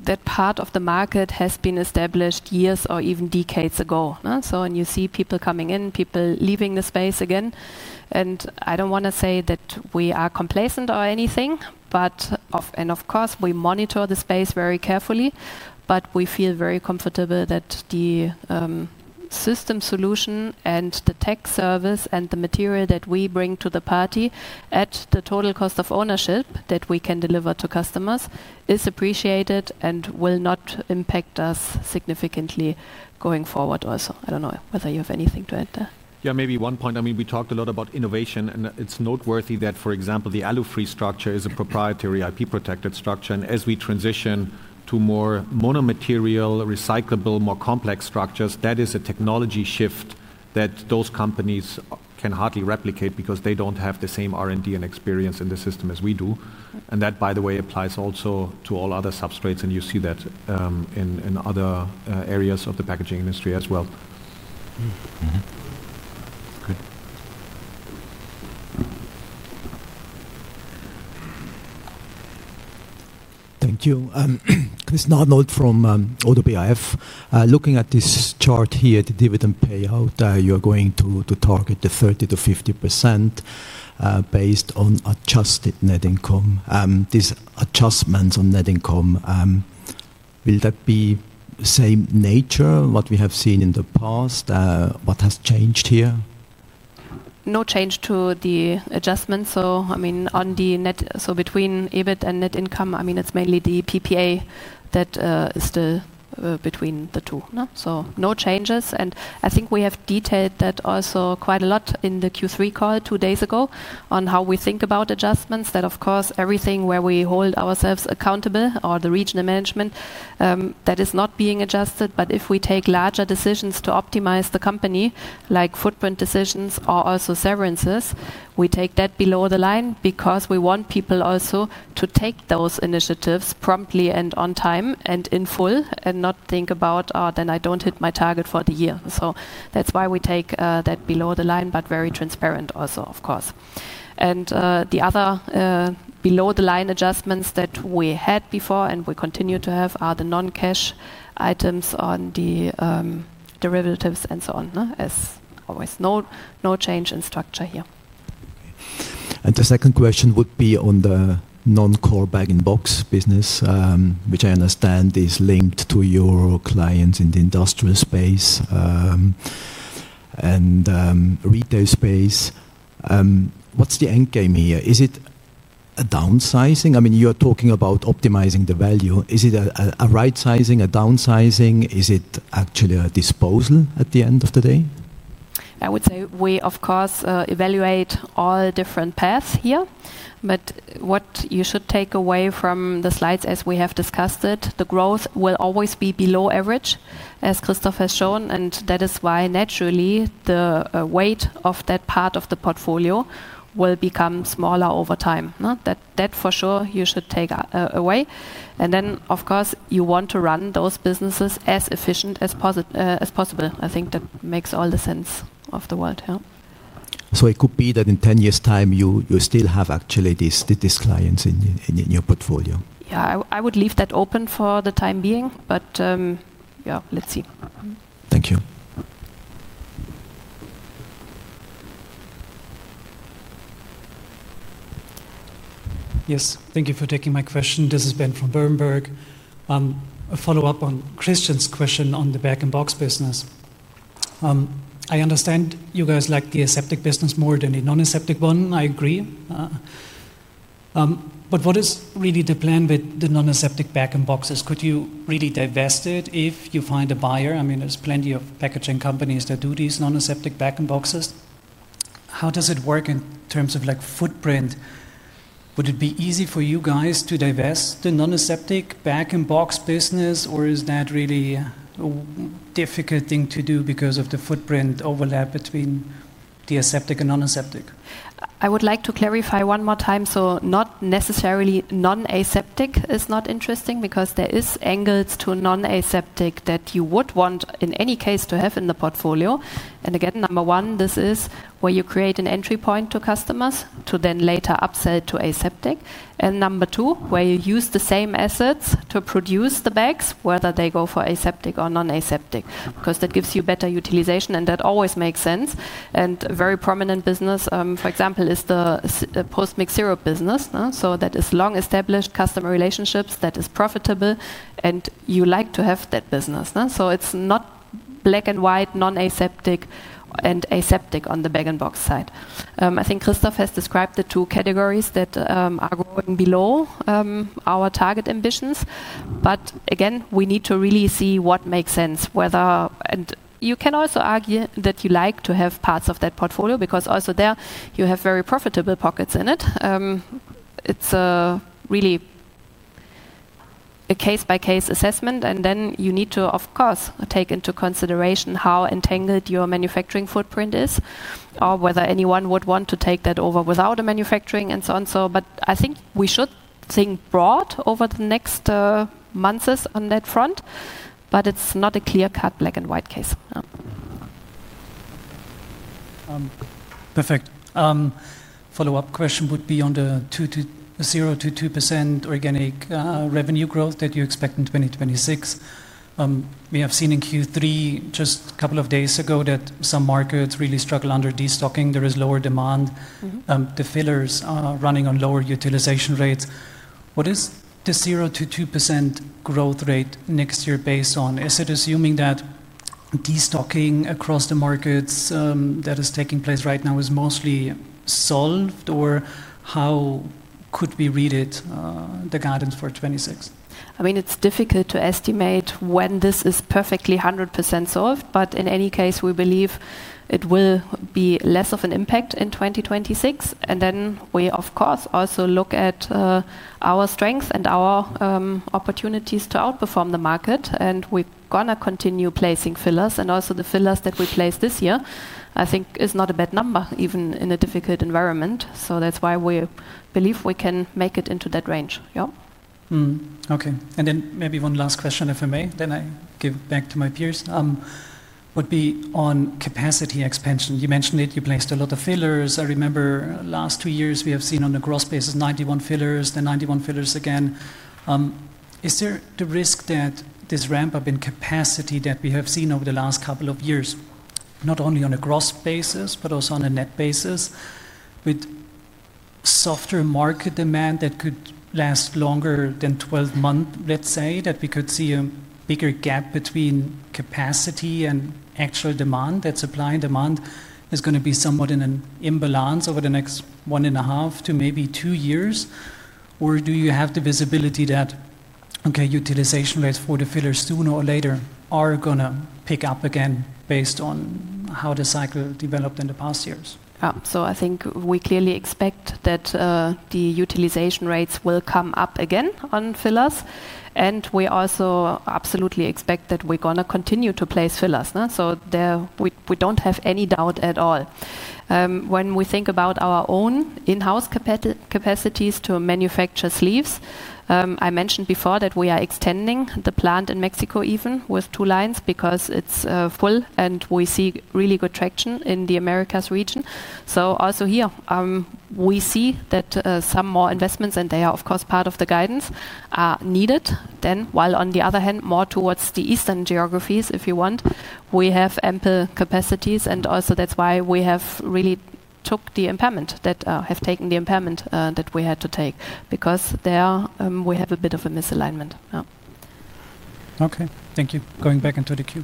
that part of the market has been established years or even decades ago. When you see people coming in, people leaving the space again, we monitor the space very carefully. We feel very comfortable that the system solution and the tech service and the material that we bring to the party at the total cost of ownership that we can deliver to customers is appreciated and will not impact us significantly going forward also. I don't know whether you have anything to add there. Yeah, maybe one point. I mean we talked a lot about innovation, and it's noteworthy that, for example, the alu-free barrier aseptic packaging structure is a proprietary IP-protected structure. As we transition to more monomaterial, recyclable, more complex structures, that is a technology shift that those companies can hardly replicate because they don't have the same R&D and experience in the system as we do. That, by the way, applies also to all other substrates, and you see that in other areas of the packaging industry as well. Mm-hmm. Good. Thank you. Chris Rolland from AutoPAF. Looking at this chart here, the dividend payout, you're going to target the 30%-50% based on adjusted net income. These adjustments on net income, will that be the same nature as what we have seen in the past? What has changed here? No change to the adjustments. I mean, on the net, so between EBIT and net income, it's mainly the PPA that is still between the two. No changes. I think we have detailed that also quite a lot in the Q3 call two days ago on how we think about adjustments, that of course everything where we hold ourselves accountable or the regional management that is not being adjusted. If we take larger decisions to optimize the company, like footprint decisions or also severances, we take that below the line because we want people also to take those initiatives promptly and on time and in full and not think about, oh, then I don't hit my target for the year. That's why we take that below the line, but very transparent also, of course. The other below-the-line adjustments that we had before and we continue to have are the non-cash items on the derivatives and so on. As always, no change in structure here. The second question would be on the non-core bag-in-box business, which I understand is linked to your clients in the industrial space and retail space. What's the end game here? Is it a downsizing? I mean, you're talking about optimizing the value. Is it a right sizing, a downsizing? Is it actually a disposal at the end of the day? I would say we, of course, evaluate all different paths here. What you should take away from the slides, as we have discussed it, is the growth will always be below average, as Christophe has shown. That is why naturally the weight of that part of the portfolio will become smaller over time. That for sure you should take away. Of course, you want to run those businesses as efficiently as possible. I think that makes all the sense of the world. It could be that in 10 years' time you still have actually these clients in your portfolio. I would leave that open for the time being, but let's see. Thank you. Yes, thank you for taking my question. This is Ben from Berenberg. A follow-up on Christian's question on the bag-in-box business. I understand you guys like the aseptic business more than the non-aseptic one. I agree. What is really the plan with the non-aseptic bag-in-boxes? Could you really divest it if you find a buyer? I mean, there's plenty of packaging companies that do these non-aseptic bag-in-boxes. How does it work in terms of footprint? Would it be easy for you guys to divest the non-aseptic bag-in-box business, or is that really a difficult thing to do because of the footprint overlap between the aseptic and non-aseptic? I would like to clarify one more time. Not necessarily non-aseptic is not interesting because there are angles to non-aseptic that you would want in any case to have in the portfolio. Number one, this is where you create an entry point to customers to then later upsell to aseptic. Number two, you use the same assets to produce the bags, whether they go for aseptic or non-aseptic, because that gives you better utilization and that always makes sense. A very prominent business, for example, is the post-mixed syrup business. That is long established customer relationships that are profitable and you like to have that business. It is not black and white, non-aseptic and aseptic on the bag-in-box side. I think Christophe has described the two categories that are going below our target ambitions. We need to really see what makes sense. You can also argue that you like to have parts of that portfolio because also there you have very profitable pockets in it. It is really a case-by-case assessment. You need to, of course, take into consideration how entangled your manufacturing footprint is or whether anyone would want to take that over without a manufacturing and so on. I think we should think broad over the next months on that front. It is not a clear-cut black and white case. Perfect. Follow-up question would be on the 0-2% organic revenue growth that you expect in 2026. We have seen in Q3 just a couple of days ago that some markets really struggle under destocking. There is lower demand. The fillers are running on lower utilization rates. What is the 0-2% growth rate next year based on? Is it assuming that destocking across the markets that is taking place right now is mostly solved? How could we read it, the guidance for 2026? I mean, it's difficult to estimate when this is perfectly 100% solved. In any case, we believe it will be less of an impact in 2026. We, of course, also look at our strengths and our opportunities to outperform the market. We're going to continue placing fillers, and also the fillers that we placed this year, I think, is not a bad number, even in a difficult environment. That's why we believe we can make it into that range. Okay. Maybe one last question, if I may. I give back to my peers. Would be on capacity expansion. You mentioned it. You placed a lot of fillers. I remember the last two years we have seen on a gross basis 91 fillers, then 91 fillers again. Is there the risk that this ramp-up in capacity that we have seen over the last couple of years, not only on a gross basis, but also on a net basis, with softer market demand that could last longer than 12 months, let's say, that we could see a bigger gap between capacity and actual demand, that supply and demand is going to be somewhat in an imbalance over the next one and a half to maybe two years? Do you have the visibility that, okay, utilization rates for the fillers sooner or later are going to pick up again based on how the cycle developed in the past years? I think we clearly expect that the utilization rates will come up again on fillers, and we also absolutely expect that we're going to continue to place fillers. We don't have any doubt at all. When we think about our own in-house capacities to manufacture sleeves, I mentioned before that we are extending the plant in Mexico even with two lines because it's full, and we see really good traction in the Americas region. Also here, we see that some more investments, and they are of course part of the guidance, are needed. While on the other hand, more towards the eastern geographies, if you want, we have ample capacities. That's why we have really taken the impairment that we had to take because there we have a bit of a misalignment. Okay, thank you. Going back into the queue.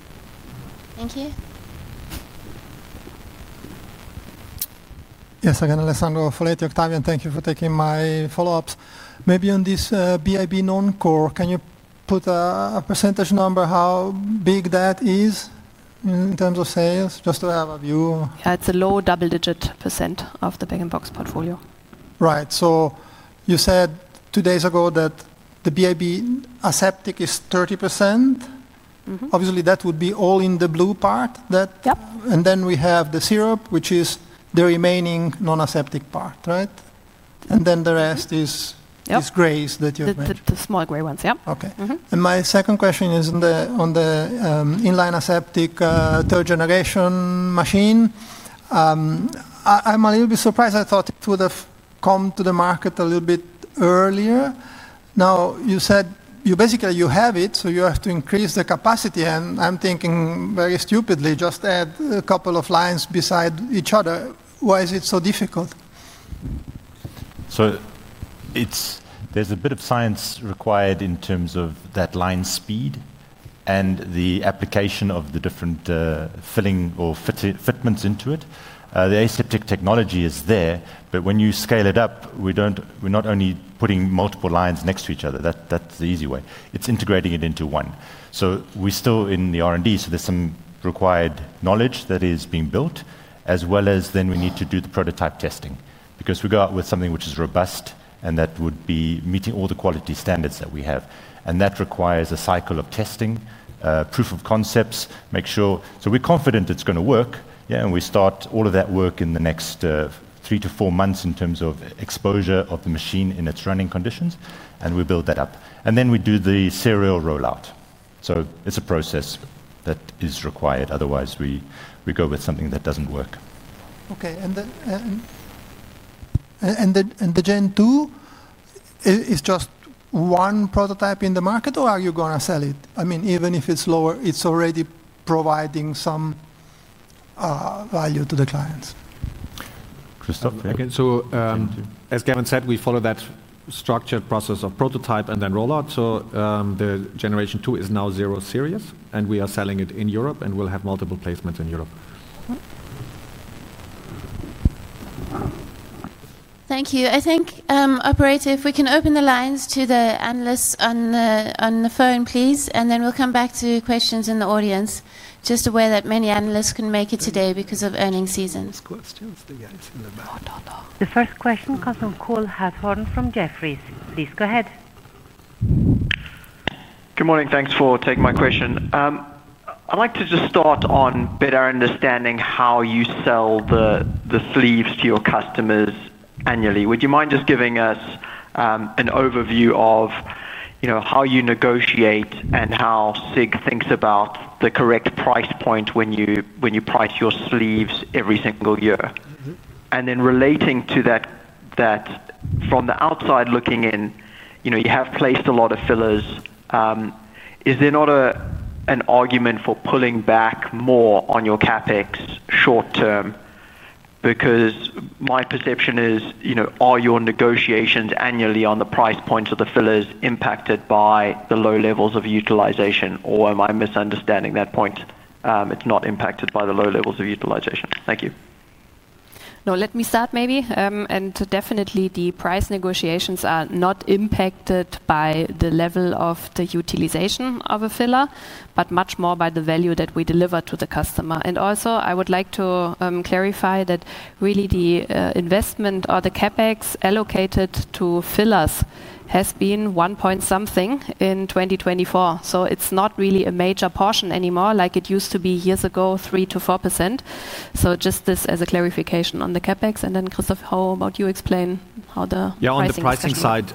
Thank you. Yes, again, Alessandro Foletti, Octavian, thank you for taking my follow-ups. Maybe on this bag-in-box non-core, can you put a % number how big that is in terms of sales, just to have a view? Yeah, it's a low double-digit % of the bag-in-box portfolio. Right, so you said two days ago that the bag-in-box aseptic is 30%. Obviously, that would be all in the blue part. Yep. We have the syrup, which is the remaining non-aseptic part, right? The rest is grays that you've made. The small gray ones, yep. Okay. My second question is on the inline aseptic third-generation machine. I'm a little bit surprised. I thought it would have come to the market a little bit earlier. You said you basically have it, so you have to increase the capacity. I'm thinking very stupidly, just add a couple of lines beside each other. Why is it so difficult? There's a bit of science required in terms of that line speed and the application of the different filling or fitments into it. The aseptic technology is there, but when you scale it up, we're not only putting multiple lines next to each other. That's the easy way. It's integrating it into one. We're still in the R&D. There's some required knowledge that is being built, as well as then we need to do the prototype testing because we go out with something which is robust and that would be meeting all the quality standards that we have. That requires a cycle of testing, proof of concepts, make sure. We're confident it's going to work. We start all of that work in the next three to four months in terms of exposure of the machine in its running conditions. We build that up, and then we do the serial rollout. It's a process that is required. Otherwise, we go with something that doesn't work. Okay. The Gen 2 is just one prototype in the market, or are you going to sell it? I mean, even if it's lower, it's already providing some value to the clients. Christoph, again, as Gavin said, we follow that structured process of prototype and then rollout. The Generation 2 is now zero series, and we are selling it in Europe, and we'll have multiple placements in Europe. Thank you. I think, operative, we can open the lines to the analysts on the phone, please, and then we'll come back to questions in the audience, just aware that many analysts couldn't make it today because of earnings season. Questions to the guys in the back. The first question comes from Cole Hathorn from Jefferies. Please go ahead. Good morning. Thanks for taking my question. I'd like to just start on better understanding how you sell the sleeves to your customers annually. Would you mind just giving us an overview of how you negotiate and how SIG thinks about the correct price point when you price your sleeves every single year? Relating to that, from the outside looking in, you have placed a lot of fillers. Is there not an argument for pulling back more on your CapEx short term? My perception is, are your negotiations annually on the price points of the fillers impacted by the low levels of utilization, or am I misunderstanding that point? It's not impacted by the low levels of utilization. Thank you. Let me start maybe. Definitely, the price negotiations are not impacted by the level of the utilization of a filler, but much more by the value that we deliver to the customer. I would like to clarify that really the investment or the CapEx allocated to fillers has been one point something in 2024. It's not really a major portion anymore like it used to be years ago, 3-4%. Just this as a clarification on the CapEx. Christoph, how about you explain how the pricing? Yeah, on the pricing side.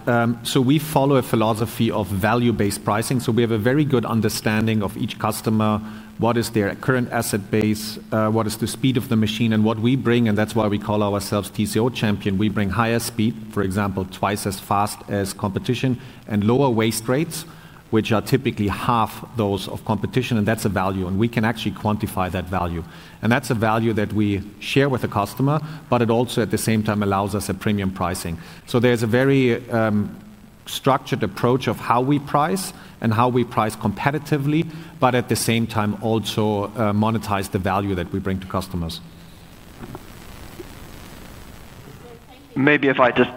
We follow a philosophy of value-based pricing. We have a very good understanding of each customer, what is their current asset base, what is the speed of the machine, and what we bring. That's why we call ourselves TCO Champion. We bring higher speed, for example, twice as fast as competition, and lower waste rates, which are typically half those of competition. That's a value. We can actually quantify that value. That's a value that we share with the customer, but it also at the same time allows us a premium pricing. There's a very structured approach of how we price and how we price competitively, but at the same time also monetize the value that we bring to customers. Maybe if I just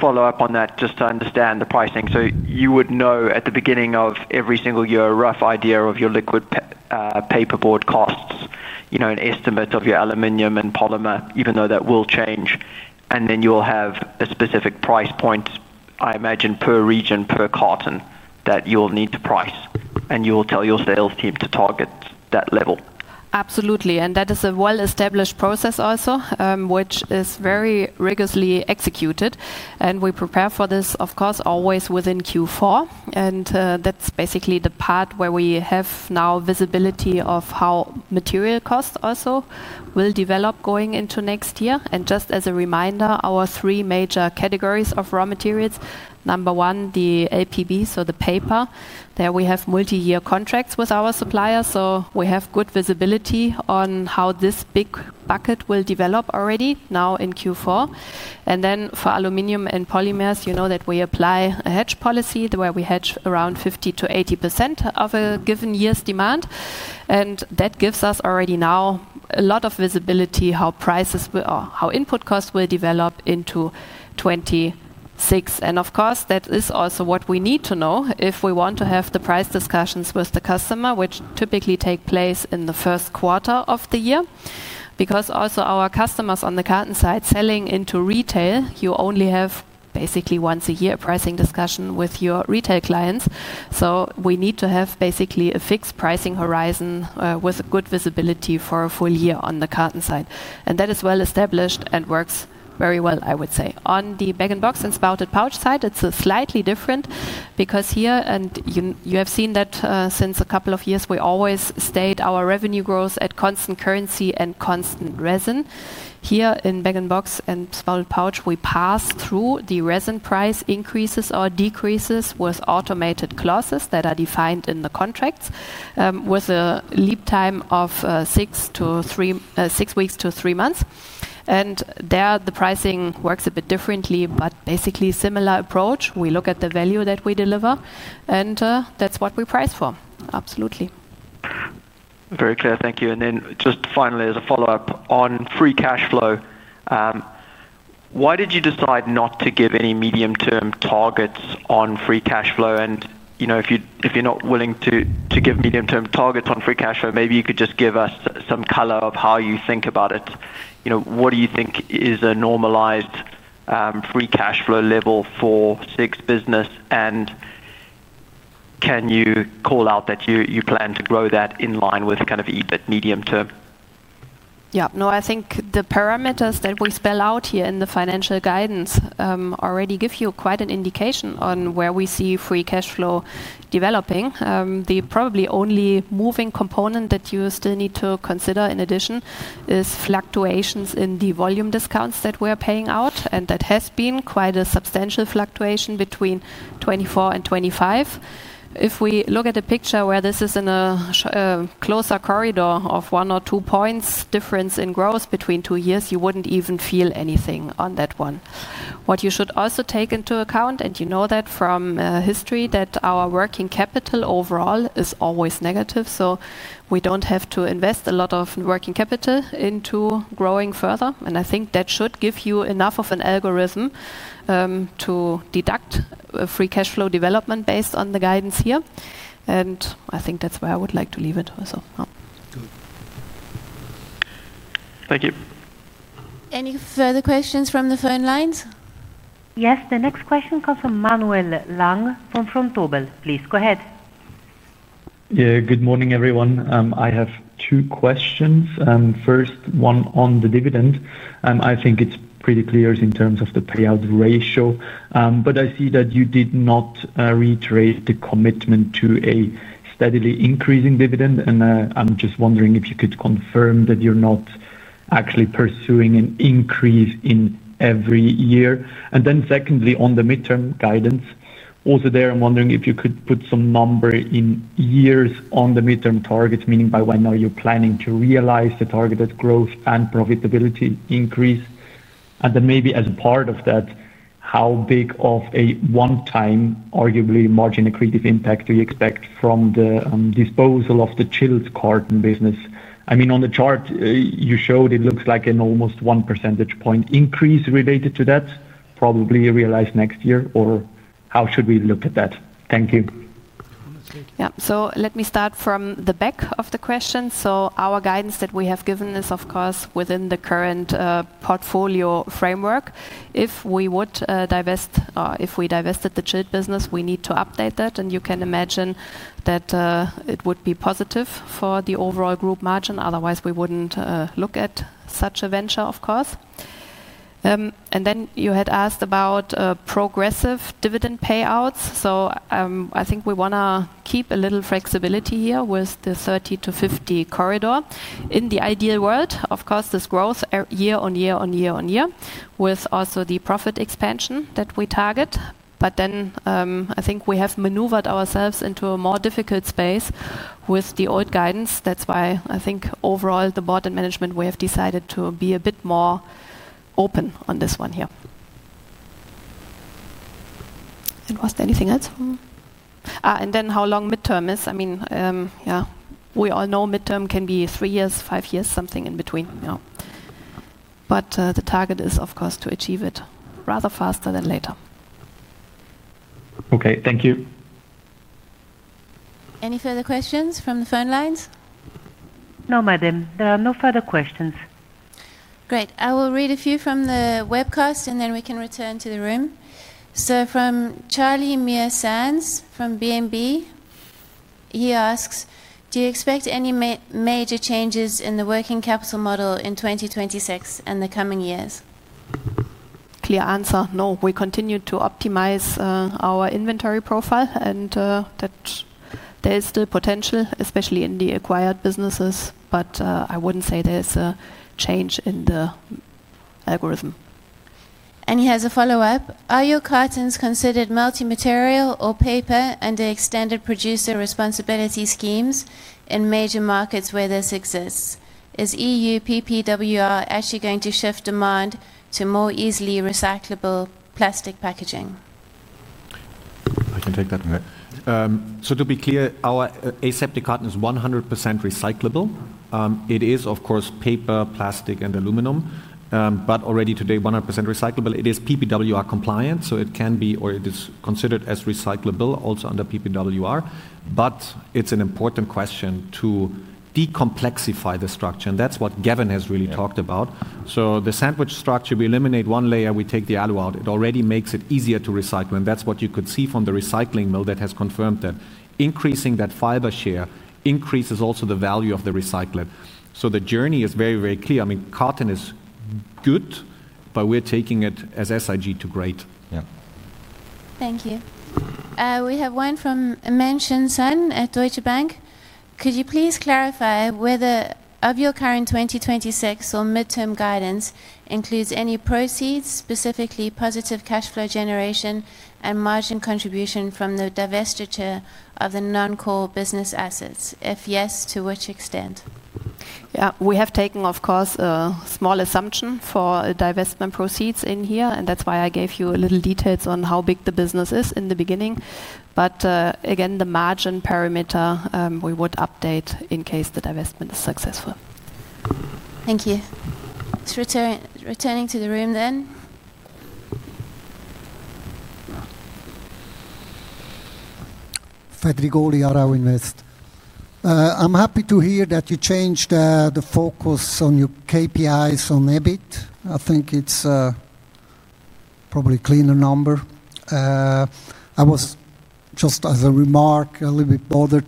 follow up on that, just to understand the pricing. You would know at the beginning of every single year a rough idea of your liquid paperboard costs, you know, an estimate of your aluminum and polymer, even though that will change. Then you'll have a specific price point, I imagine, per region, per carton that you'll need to price. You'll tell your sales team to target that level. Absolutely. That is a well-established process also, which is very rigorously executed. We prepare for this, of course, always within Q4. That's basically the part where we have now visibility of how material costs also will develop going into next year. Just as a reminder, our three major categories of raw materials, number one, the APB, so the paper. There we have multi-year contracts with our suppliers, so we have good visibility on how this big bucket will develop already now in Q4. For aluminum and polymers, you know that we apply a hedge policy where we hedge around 50%-80% of a given year's demand. That gives us already now a lot of visibility how prices will, or how input costs will develop into 2026. Of course, that is also what we need to know if we want to have the price discussions with the customer, which typically take place in the first quarter of the year. Because also our customers on the carton side selling into retail, you only have basically once a year pricing discussion with your retail clients. We need to have basically a fixed pricing horizon with good visibility for a full year on the carton side. That is well established and works very well, I would say. On the bag-in-box and spouted pouch side, it's slightly different because here, and you have seen that since a couple of years, we always state our revenue growth at constant currency and constant resin. Here in bag-in-box and spouted pouch, we pass through the resin price increases or decreases with automated clauses that are defined in the contracts with a lead time of six weeks to three months. There the pricing works a bit differently, but basically similar approach. We look at the value that we deliver, and that's what we price for. Absolutely. Very clear. Thank you. Just finally, as a follow-up on free cash flow, why did you decide not to give any medium-term targets on free cash flow? If you're not willing to give medium-term targets on free cash flow, maybe you could just give us some color of how you think about it. What do you think is a normalized free cash flow level for SIG's business? Can you call out that you plan to grow that in line with kind of EBIT medium term? I think the parameters that we spell out here in the financial guidance already give you quite an indication on where we see free cash flow developing. The probably only moving component that you still need to consider in addition is fluctuations in the volume discounts that we are paying out. That has been quite a substantial fluctuation between 2024 and 2025. If we look at the picture where this is in a closer corridor of one or two points difference in growth between two years, you wouldn't even feel anything on that one. You should also take into account, and you know that from history, that our working capital overall is always negative. We don't have to invest a lot of working capital into growing further. I think that should give you enough of an algorithm to deduct free cash flow development based on the guidance here. I think that's where I would like to leave it also. Thank you. Any further questions from the phone lines? Yes, the next question comes from Manuel Lang from Vontobel. Please go ahead. Yeah, good morning everyone. I have two questions. First, one on the dividend. I think it's pretty clear in terms of the payout ratio. I see that you did not reiterate the commitment to a steadily increasing dividend. I'm just wondering if you could confirm that you're not actually pursuing an increase in every year. Secondly, on the midterm guidance, also there, I'm wondering if you could put some number in years on the midterm targets, meaning by when are you planning to realize the targeted growth and profitability increase? Maybe as a part of that, how big of a one-time arguably margin accretive impact do you expect from the disposal of the chilled carton business? I mean, on the chart you showed, it looks like an almost one percentage point increase related to that, probably realized next year, or how should we look at that? Thank you. Let me start from the back of the question. Our guidance that we have given is, of course, within the current portfolio framework. If we divested the chilled business, we need to update that. You can imagine that it would be positive for the overall group margin. Otherwise, we wouldn't look at such a venture, of course. You had asked about progressive dividend payouts. I think we want to keep a little flexibility here with the 30%-50% corridor. In the ideal world, this grows year on year on year on year with also the profit expansion that we target. I think we have maneuvered ourselves into a more difficult space with the old guidance. That's why I think overall the board and management, we have decided to be a bit more open on this one here. Was there anything else? How long midterm is? I mean, we all know midterm can be three years, five years, something in between. The target is, of course, to achieve it rather faster than later. Okay, thank you. Any further questions from the phone lines? No, madam, there are no further questions. Great. I will read a few from the webcast, and then we can return to the room. From Charlie Mears-Sans from BNB, he asks, do you expect any major changes in the working capital model in 2026 and the coming years? Clear answer. No, we continue to optimize our inventory profile, and there is still potential, especially in the acquired businesses, but I wouldn't say there's a change in the algorithm. He has a follow-up. Are your cartons considered multi-material or paper under extended producer responsibility schemes in major markets where this exists? Is EU PPWR actually going to shift demand to more easily recyclable plastic packaging? I can take that, Mary. To be clear, our aseptic carton is 100% recyclable. It is, of course, paper, plastic, and aluminum, but already today 100% recyclable. It is PPWR compliant, so it can be, or it is considered as recyclable also under PPWR. It's an important question to decomplexify the structure, and that's what Gavin Steiner has really talked about. The sandwich structure, we eliminate one layer, we take the alloy out, it already makes it easier to recycle, and that's what you could see from the recycling mill that has confirmed that increasing that fiber share increases also the value of the recyclate. The journey is very, very clear. I mean, carton is good, but we're taking it as SIG to great. Yeah. Thank you. We have one from Man Shin Sun at Deutsche Bank. Could you please clarify whether your current 2026 or midterm guidance includes any proceeds, specifically positive cash flow generation and margin contribution from the divestiture of the non-core business assets? If yes, to which extent? Yeah, we have taken, of course, a small assumption for divestment proceeds in here, and that's why I gave you a little detail on how big the business is in the beginning. Again, the margin parameter, we would update in case the divestment is successful. Thank you. It's returning to the room. I'm happy to hear that you changed the focus on your KPIs on EBIT. I think it's probably a cleaner number. I was just, as a remark, a little bit bothered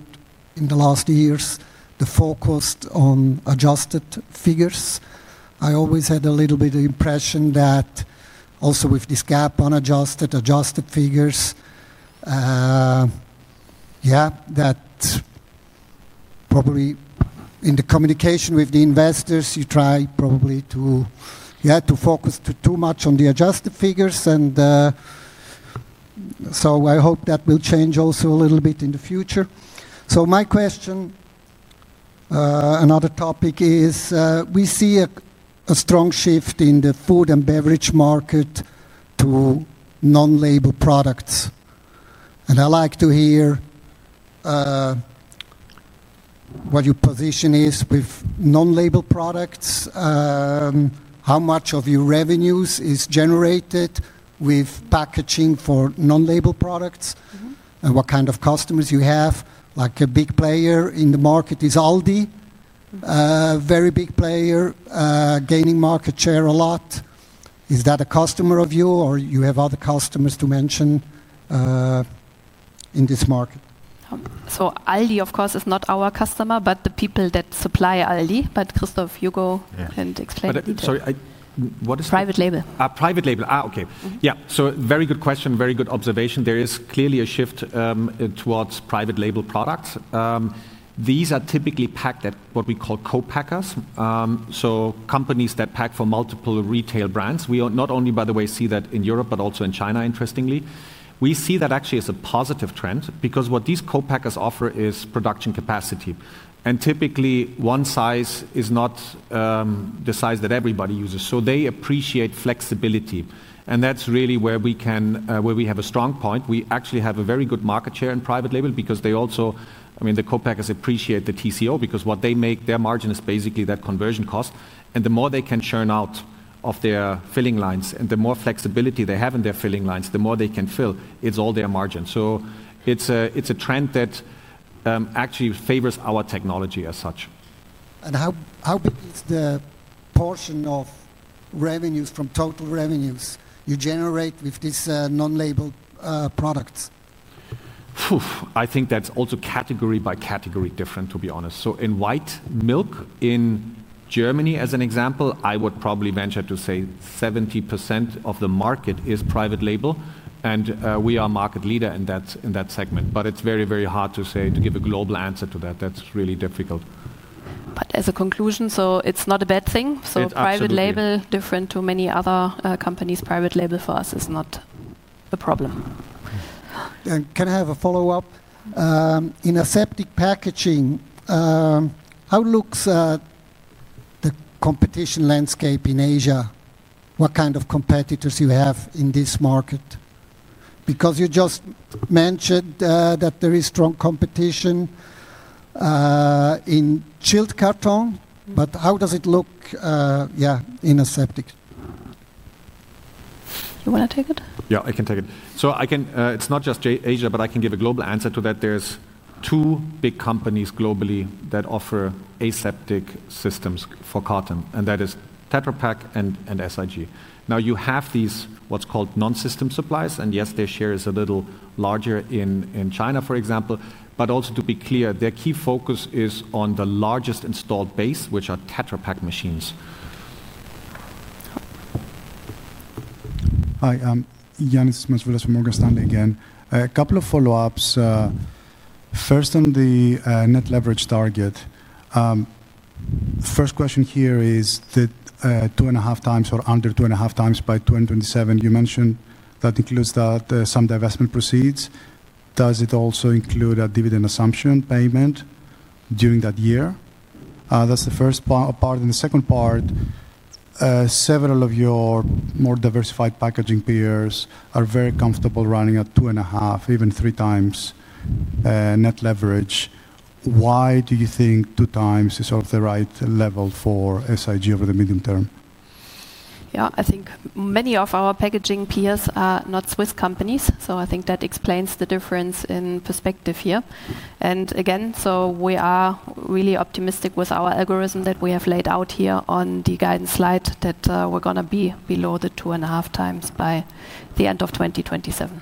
in the last years, the focus on adjusted figures. I always had a little bit of the impression that also with this gap on adjusted figures, yeah, that probably in the communication with the investors, you try probably to, yeah, to focus too much on the adjusted figures. I hope that will change also a little bit in the future. My question, another topic is we see a strong shift in the food and beverage market to non-label products. I like to hear what your position is with non-label products. How much of your revenues is generated with packaging for non-label products? What kind of customers you have? Like a big player in the market is Aldi. A very big player, gaining market share a lot. Is that a customer of you or you have other customers to mention in this market? Aldi, of course, is not our customer, but the people that supply Aldi. Christophe, you go and explain. Sorry, what is that? Private label. Private label. Okay. Yeah, very good question, very good observation. There is clearly a shift towards private label products. These are typically packed at what we call co-packers, companies that pack for multiple retail brands. We not only, by the way, see that in Europe, but also in China, interestingly. We see that actually as a positive trend because what these co-packers offer is production capacity. Typically, one size is not the size that everybody uses, so they appreciate flexibility. That's really where we have a strong point. We actually have a very good market share in private label because the co-packers appreciate the TCO, because what they make, their margin is basically that conversion cost. The more they can churn out of their filling lines and the more flexibility they have in their filling lines, the more they can fill, it's all their margin. It's a trend that actually favors our technology as such. How big is the portion of revenues from total revenues you generate with these non-label products? I think that's also category by category different, to be honest. In white milk in Germany, as an example, I would probably venture to say 70% of the market is private label, and we are a market leader in that segment. It's very, very hard to say, to give a global answer to that. That's really difficult. As a conclusion, it's not a bad thing. Private label, different to many other companies, private label for us is not a problem. Can I have a follow-up? In aseptic packaging, how looks the competition landscape in Asia? What kind of competitors do you have in this market? You just mentioned that there is strong competition in chilled carton. How does it look, yeah, in aseptic? You want to take it? Yeah, I can take it. It's not just Asia, but I can give a global answer to that. There are two big companies globally that offer aseptic systems for carton, and that is Tetra Pak and SIG. Now you have these what's called non-system supplies, and yes, their share is a little larger in China, for example. Also, to be clear, their key focus is on the largest installed base, which are Tetra Pak machines. Hi, Yanis from Morgan Stanley again. A couple of follow-ups. First on the net leverage target. First question here is that 2.5 times or under 2.5 times by 2027, you mentioned that includes some divestment proceeds. Does it also include a dividend assumption payment during that year? That's the first part. The second part, several of your more diversified packaging peers are very comfortable running at 2.5, even 3 times net leverage. Why do you think 2 times is sort of the right level for SIG over the medium term? Yeah, I think many of our packaging peers are not Swiss companies. I think that explains the difference in perspective here. Again, we are really optimistic with our algorithm that we have laid out here on the guidance slide that we're going to be below the 2.5 times by the end of 2027.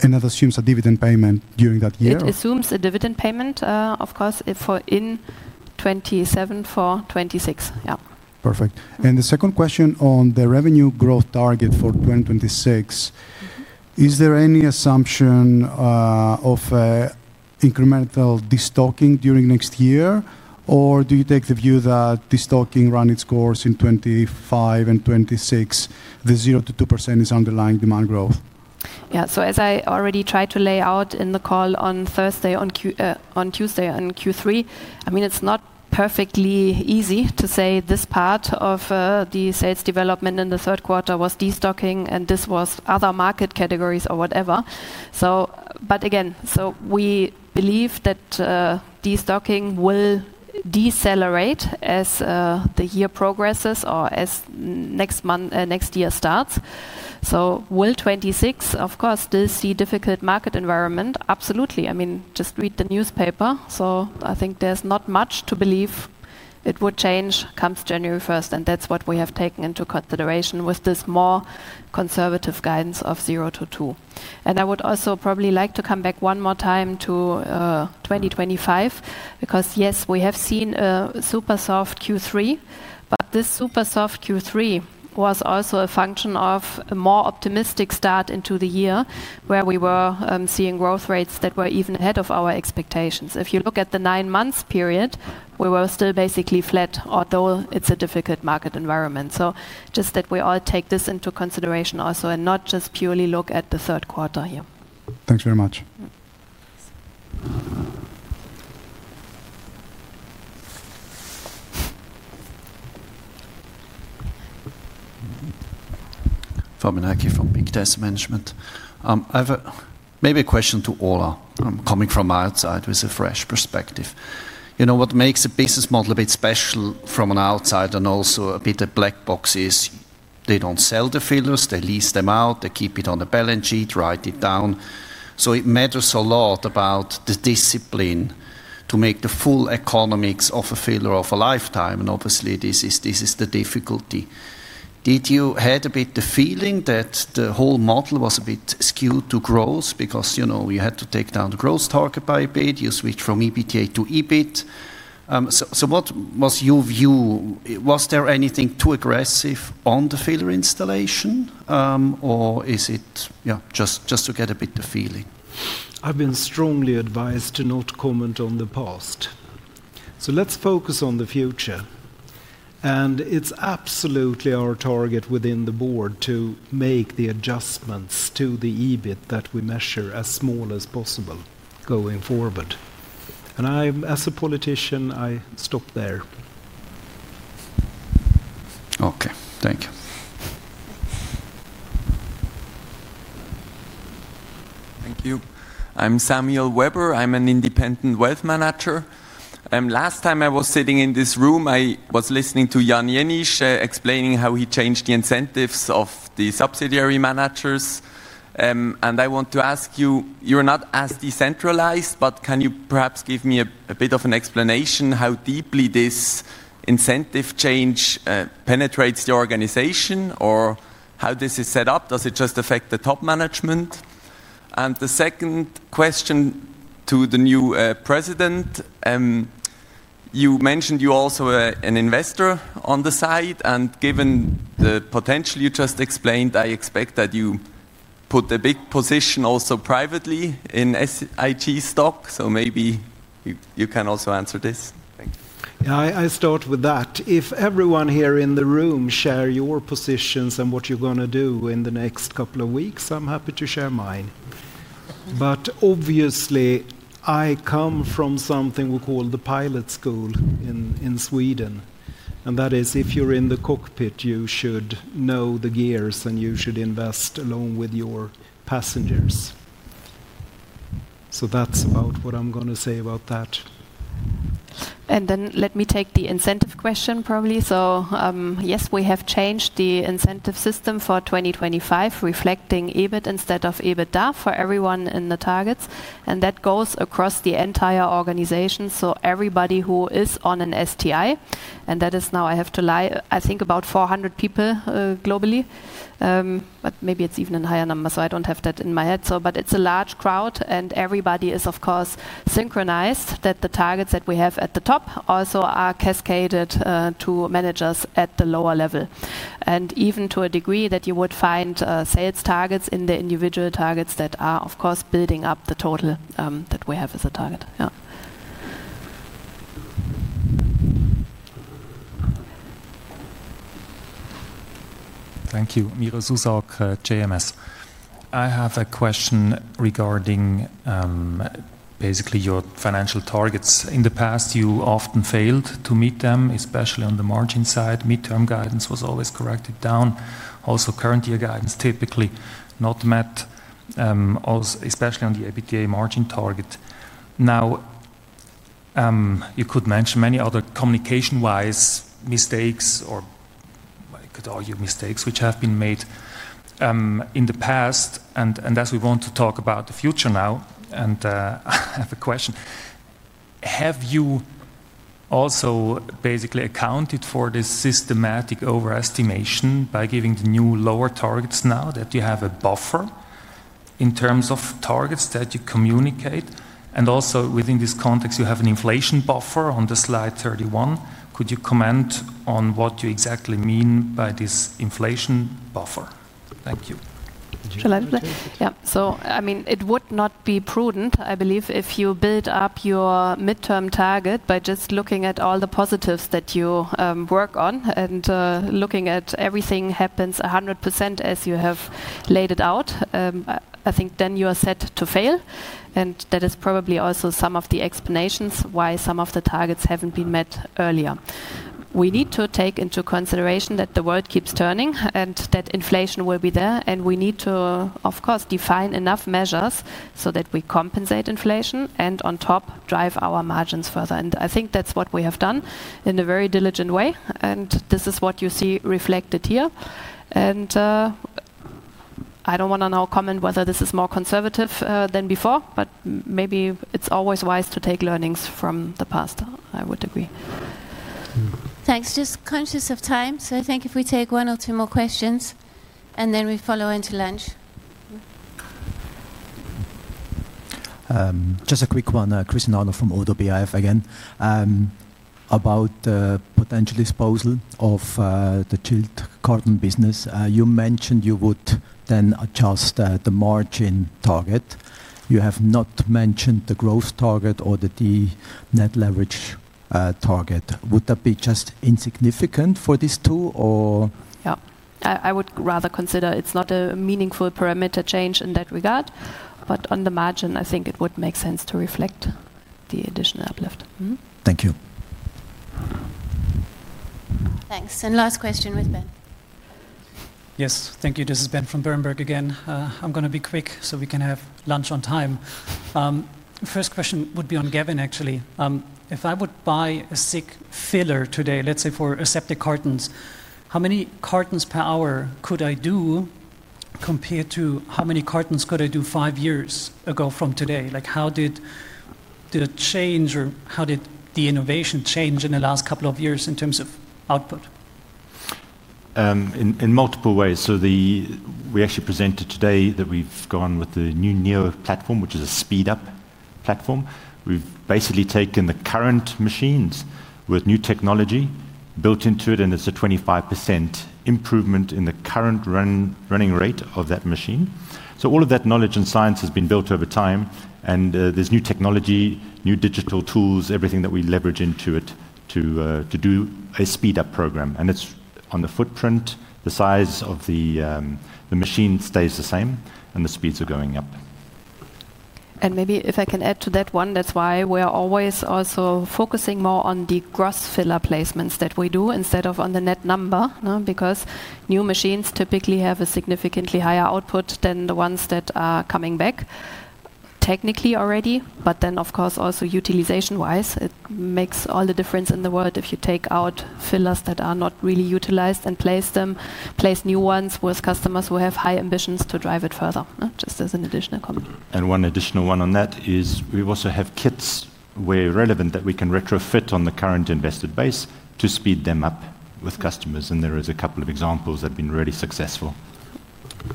That assumes a dividend payment during that year? It assumes a dividend payment, of course, in 2027 for 2026. Yeah. Perfect. The second question on the revenue growth target for 2026: Is there any assumption of an incremental destocking during next year, or do you take the view that destocking runs its course in 2025 and 2026, the 0 to 2% is underlying demand growth? As I already tried to lay out in the call on Tuesday on Q3, it's not perfectly easy to say this part of the sales development in the third quarter was destocking and this was other market categories or whatever. We believe that destocking will decelerate as the year progresses or as next year starts. Will 2026, of course, still see a difficult market environment? Absolutely. Just read the newspaper. I think there's not much to believe it would change come January 1. That's what we have taken into consideration with this more conservative guidance of 0 to 2%. I would also probably like to come back one more time to 2025 because yes, we have seen a super soft Q3. This super soft Q3 was also a function of a more optimistic start into the year where we were seeing growth rates that were even ahead of our expectations. If you look at the nine months period, we were still basically flat, although it's a difficult market environment. Just that we all take this into consideration also and not just purely look at the third quarter here. Thanks very much. I have maybe a question to all who are coming from outside with a fresh perspective. You know what makes a business model a bit special from an outside and also a bit of black boxes? They don't sell the fillers, they lease them out, they keep it on the balance sheet, write it down. It matters a lot about the discipline to make the full economics of a filler of a lifetime. Obviously, this is the difficulty. Did you have a bit the feeling that the whole model was a bit skewed to growth because you had to take down the growth target by a bit, you switched from EBITDA to EBIT? What was your view? Was there anything too aggressive on the filler installation or is it just to get a bit of feeling? I've been strongly advised to not comment on the past. Let's focus on the future. It's absolutely our target within the Board to make the adjustments to the EBIT that we measure as small as possible going forward. I, as a politician, stop there. Okay, thank you. Thank you. I'm Samuel Weber. I'm an independent wealth manager. Last time I was sitting in this room, I was listening to Jan Jänisch explaining how he changed the incentives of the subsidiary managers. I want to ask you, you're not as decentralized, but can you perhaps give me a bit of an explanation how deeply this incentive change penetrates the organization or how this is set up? Does it just affect the top management? The second question to the new President, you mentioned you're also an investor on the side. Given the potential you just explained, I expect that you put a big position also privately in SIG stock. Maybe you can also answer this. Thank you. Yeah. I start with that. If everyone here in the room shares your positions and what you're going to do in the next couple of weeks, I'm happy to share mine. Obviously, I come from something we call the pilot school in Sweden. That is if you're in the cockpit, you should know the gears and you should invest along with your passengers. That's about what I'm going to say about that. Let me take the incentive question probably. Yes, we have changed the incentive system for 2025, reflecting EBIT instead of EBITDA for everyone in the targets. That goes across the entire organization. Everybody who is on an STI, and that is now, I have to lie, I think about 400 people globally, but maybe it's even in higher numbers, so I don't have that in my head. It's a large crowd and everybody is, of course, synchronized that the targets that we have at the top also are cascaded to managers at the lower level, and even to a degree that you would find sales targets in the individual targets that are, of course, building up the total that we have as a target. Thank you. I have a question regarding basically your financial targets. In the past, you often failed to meet them, especially on the margin side. Midterm guidance was always corrected down. Also, current year guidance typically not met, especially on the EBITDA margin target. You could mention many other communication-wise mistakes or I could argue mistakes which have been made in the past. As we want to talk about the future now, I have a question. Have you also basically accounted for this systematic overestimation by giving the new lower targets now that you have a buffer in terms of targets that you communicate? Also within this context, you have an inflation buffer on slide 31. Could you comment on what you exactly mean by this inflation buffer? Thank you. Yeah, it would not be prudent, I believe, if you build up your midterm target by just looking at all the positives that you work on and looking at everything happening 100% as you have laid it out. I think you are set to fail. That is probably also some of the explanation why some of the targets haven't been met earlier. We need to take into consideration that the world keeps turning and that inflation will be there. We need to, of course, define enough measures so that we compensate inflation and on top drive our margins further. I think that's what we have done in a very diligent way. This is what you see reflected here. I don't want to now comment whether this is more conservative than before, but maybe it's always wise to take learnings from the past. I would agree. Thanks. Just conscious of time. I think if we take one or two more questions, then we follow into lunch. Just a quick one. Chris Nano from AutoBIF again. About the potential disposal of the chilled carton business, you mentioned you would then adjust the margin target. You have not mentioned the growth target or the net leverage target. Would that be just insignificant for these two or? I would rather consider it's not a meaningful parameter change in that regard. On the margin, I think it would make sense to reflect the additional uplift. Thank you. Thanks. Last question with Ben. Yes, thank you. This is Ben from Berenberg again. I'm going to be quick so we can have lunch on time. First question would be on Gavin, actually. If I would buy a SIG filler today, let's say for aseptic cartons, how many cartons per hour could I do compared to how many cartons could I do five years ago from today? Like how did the change or how did the innovation change in the last couple of years in terms of output? We actually presented today that we've gone with the new Neo platform, which is a speed-up platform. We've basically taken the current machines with new technology built into it, and it's a 25% improvement in the current running rate of that machine. All of that knowledge and science has been built over time. There's new technology, new digital tools, everything that we leverage into it to do a speed-up program. It's on the footprint, the size of the machine stays the same, and the speeds are going up. Maybe if I can add to that one, that's why we're always also focusing more on the gross filler placements that we do instead of on the net number, because new machines typically have a significantly higher output than the ones that are coming back technically already. Of course, also utilization-wise, it makes all the difference in the world if you take out fillers that are not really utilized and place new ones with customers who have high ambitions to drive it further, just as an additional comment. We also have kits where relevant that we can retrofit on the current invested base to speed them up with customers. There are a couple of examples that have been really successful.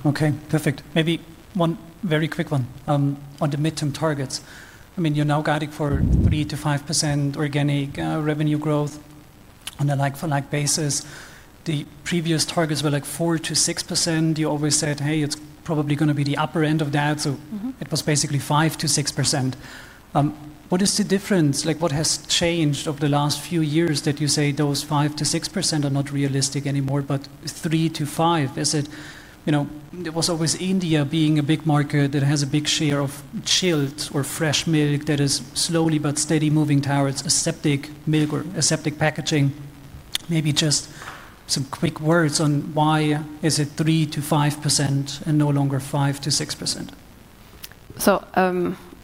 Okay, perfect. Maybe one very quick one on the midterm targets. I mean, you're now guiding for 3-5% organic revenue growth on a like-for-like basis. The previous targets were like 4-6%. You always said, hey, it's probably going to be the upper end of that. It was basically 5-6%. What is the difference? What has changed over the last few years that you say those 5-6% are not realistic anymore, but 3-5%? Is it, you know, there was always India being a big market that has a big share of chilled or fresh milk that is slowly but steadily moving towards aseptic milk or aseptic packaging. Maybe just some quick words on why is it 3-5% and no longer 5-6%?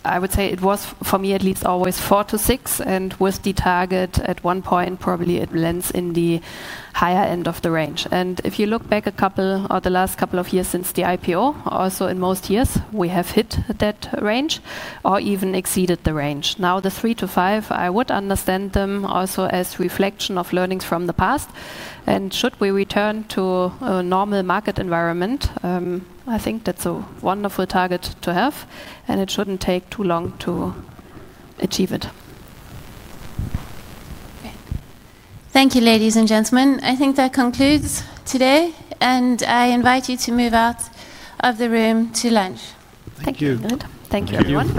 I would say it was for me at least always 4-6, and with the target at one point probably it lands in the higher end of the range. If you look back a couple or the last couple of years since the IPO, also in most years we have hit that range or even exceeded the range. Now the 3-5, I would understand them also as reflection of learnings from the past. If we return to a normal market environment, I think that's a wonderful target to have. It shouldn't take too long to achieve it. Thank you, ladies and gentlemen. I think that concludes today. I invite you to move out of the room to lunch. Thank you. Thank you, everyone.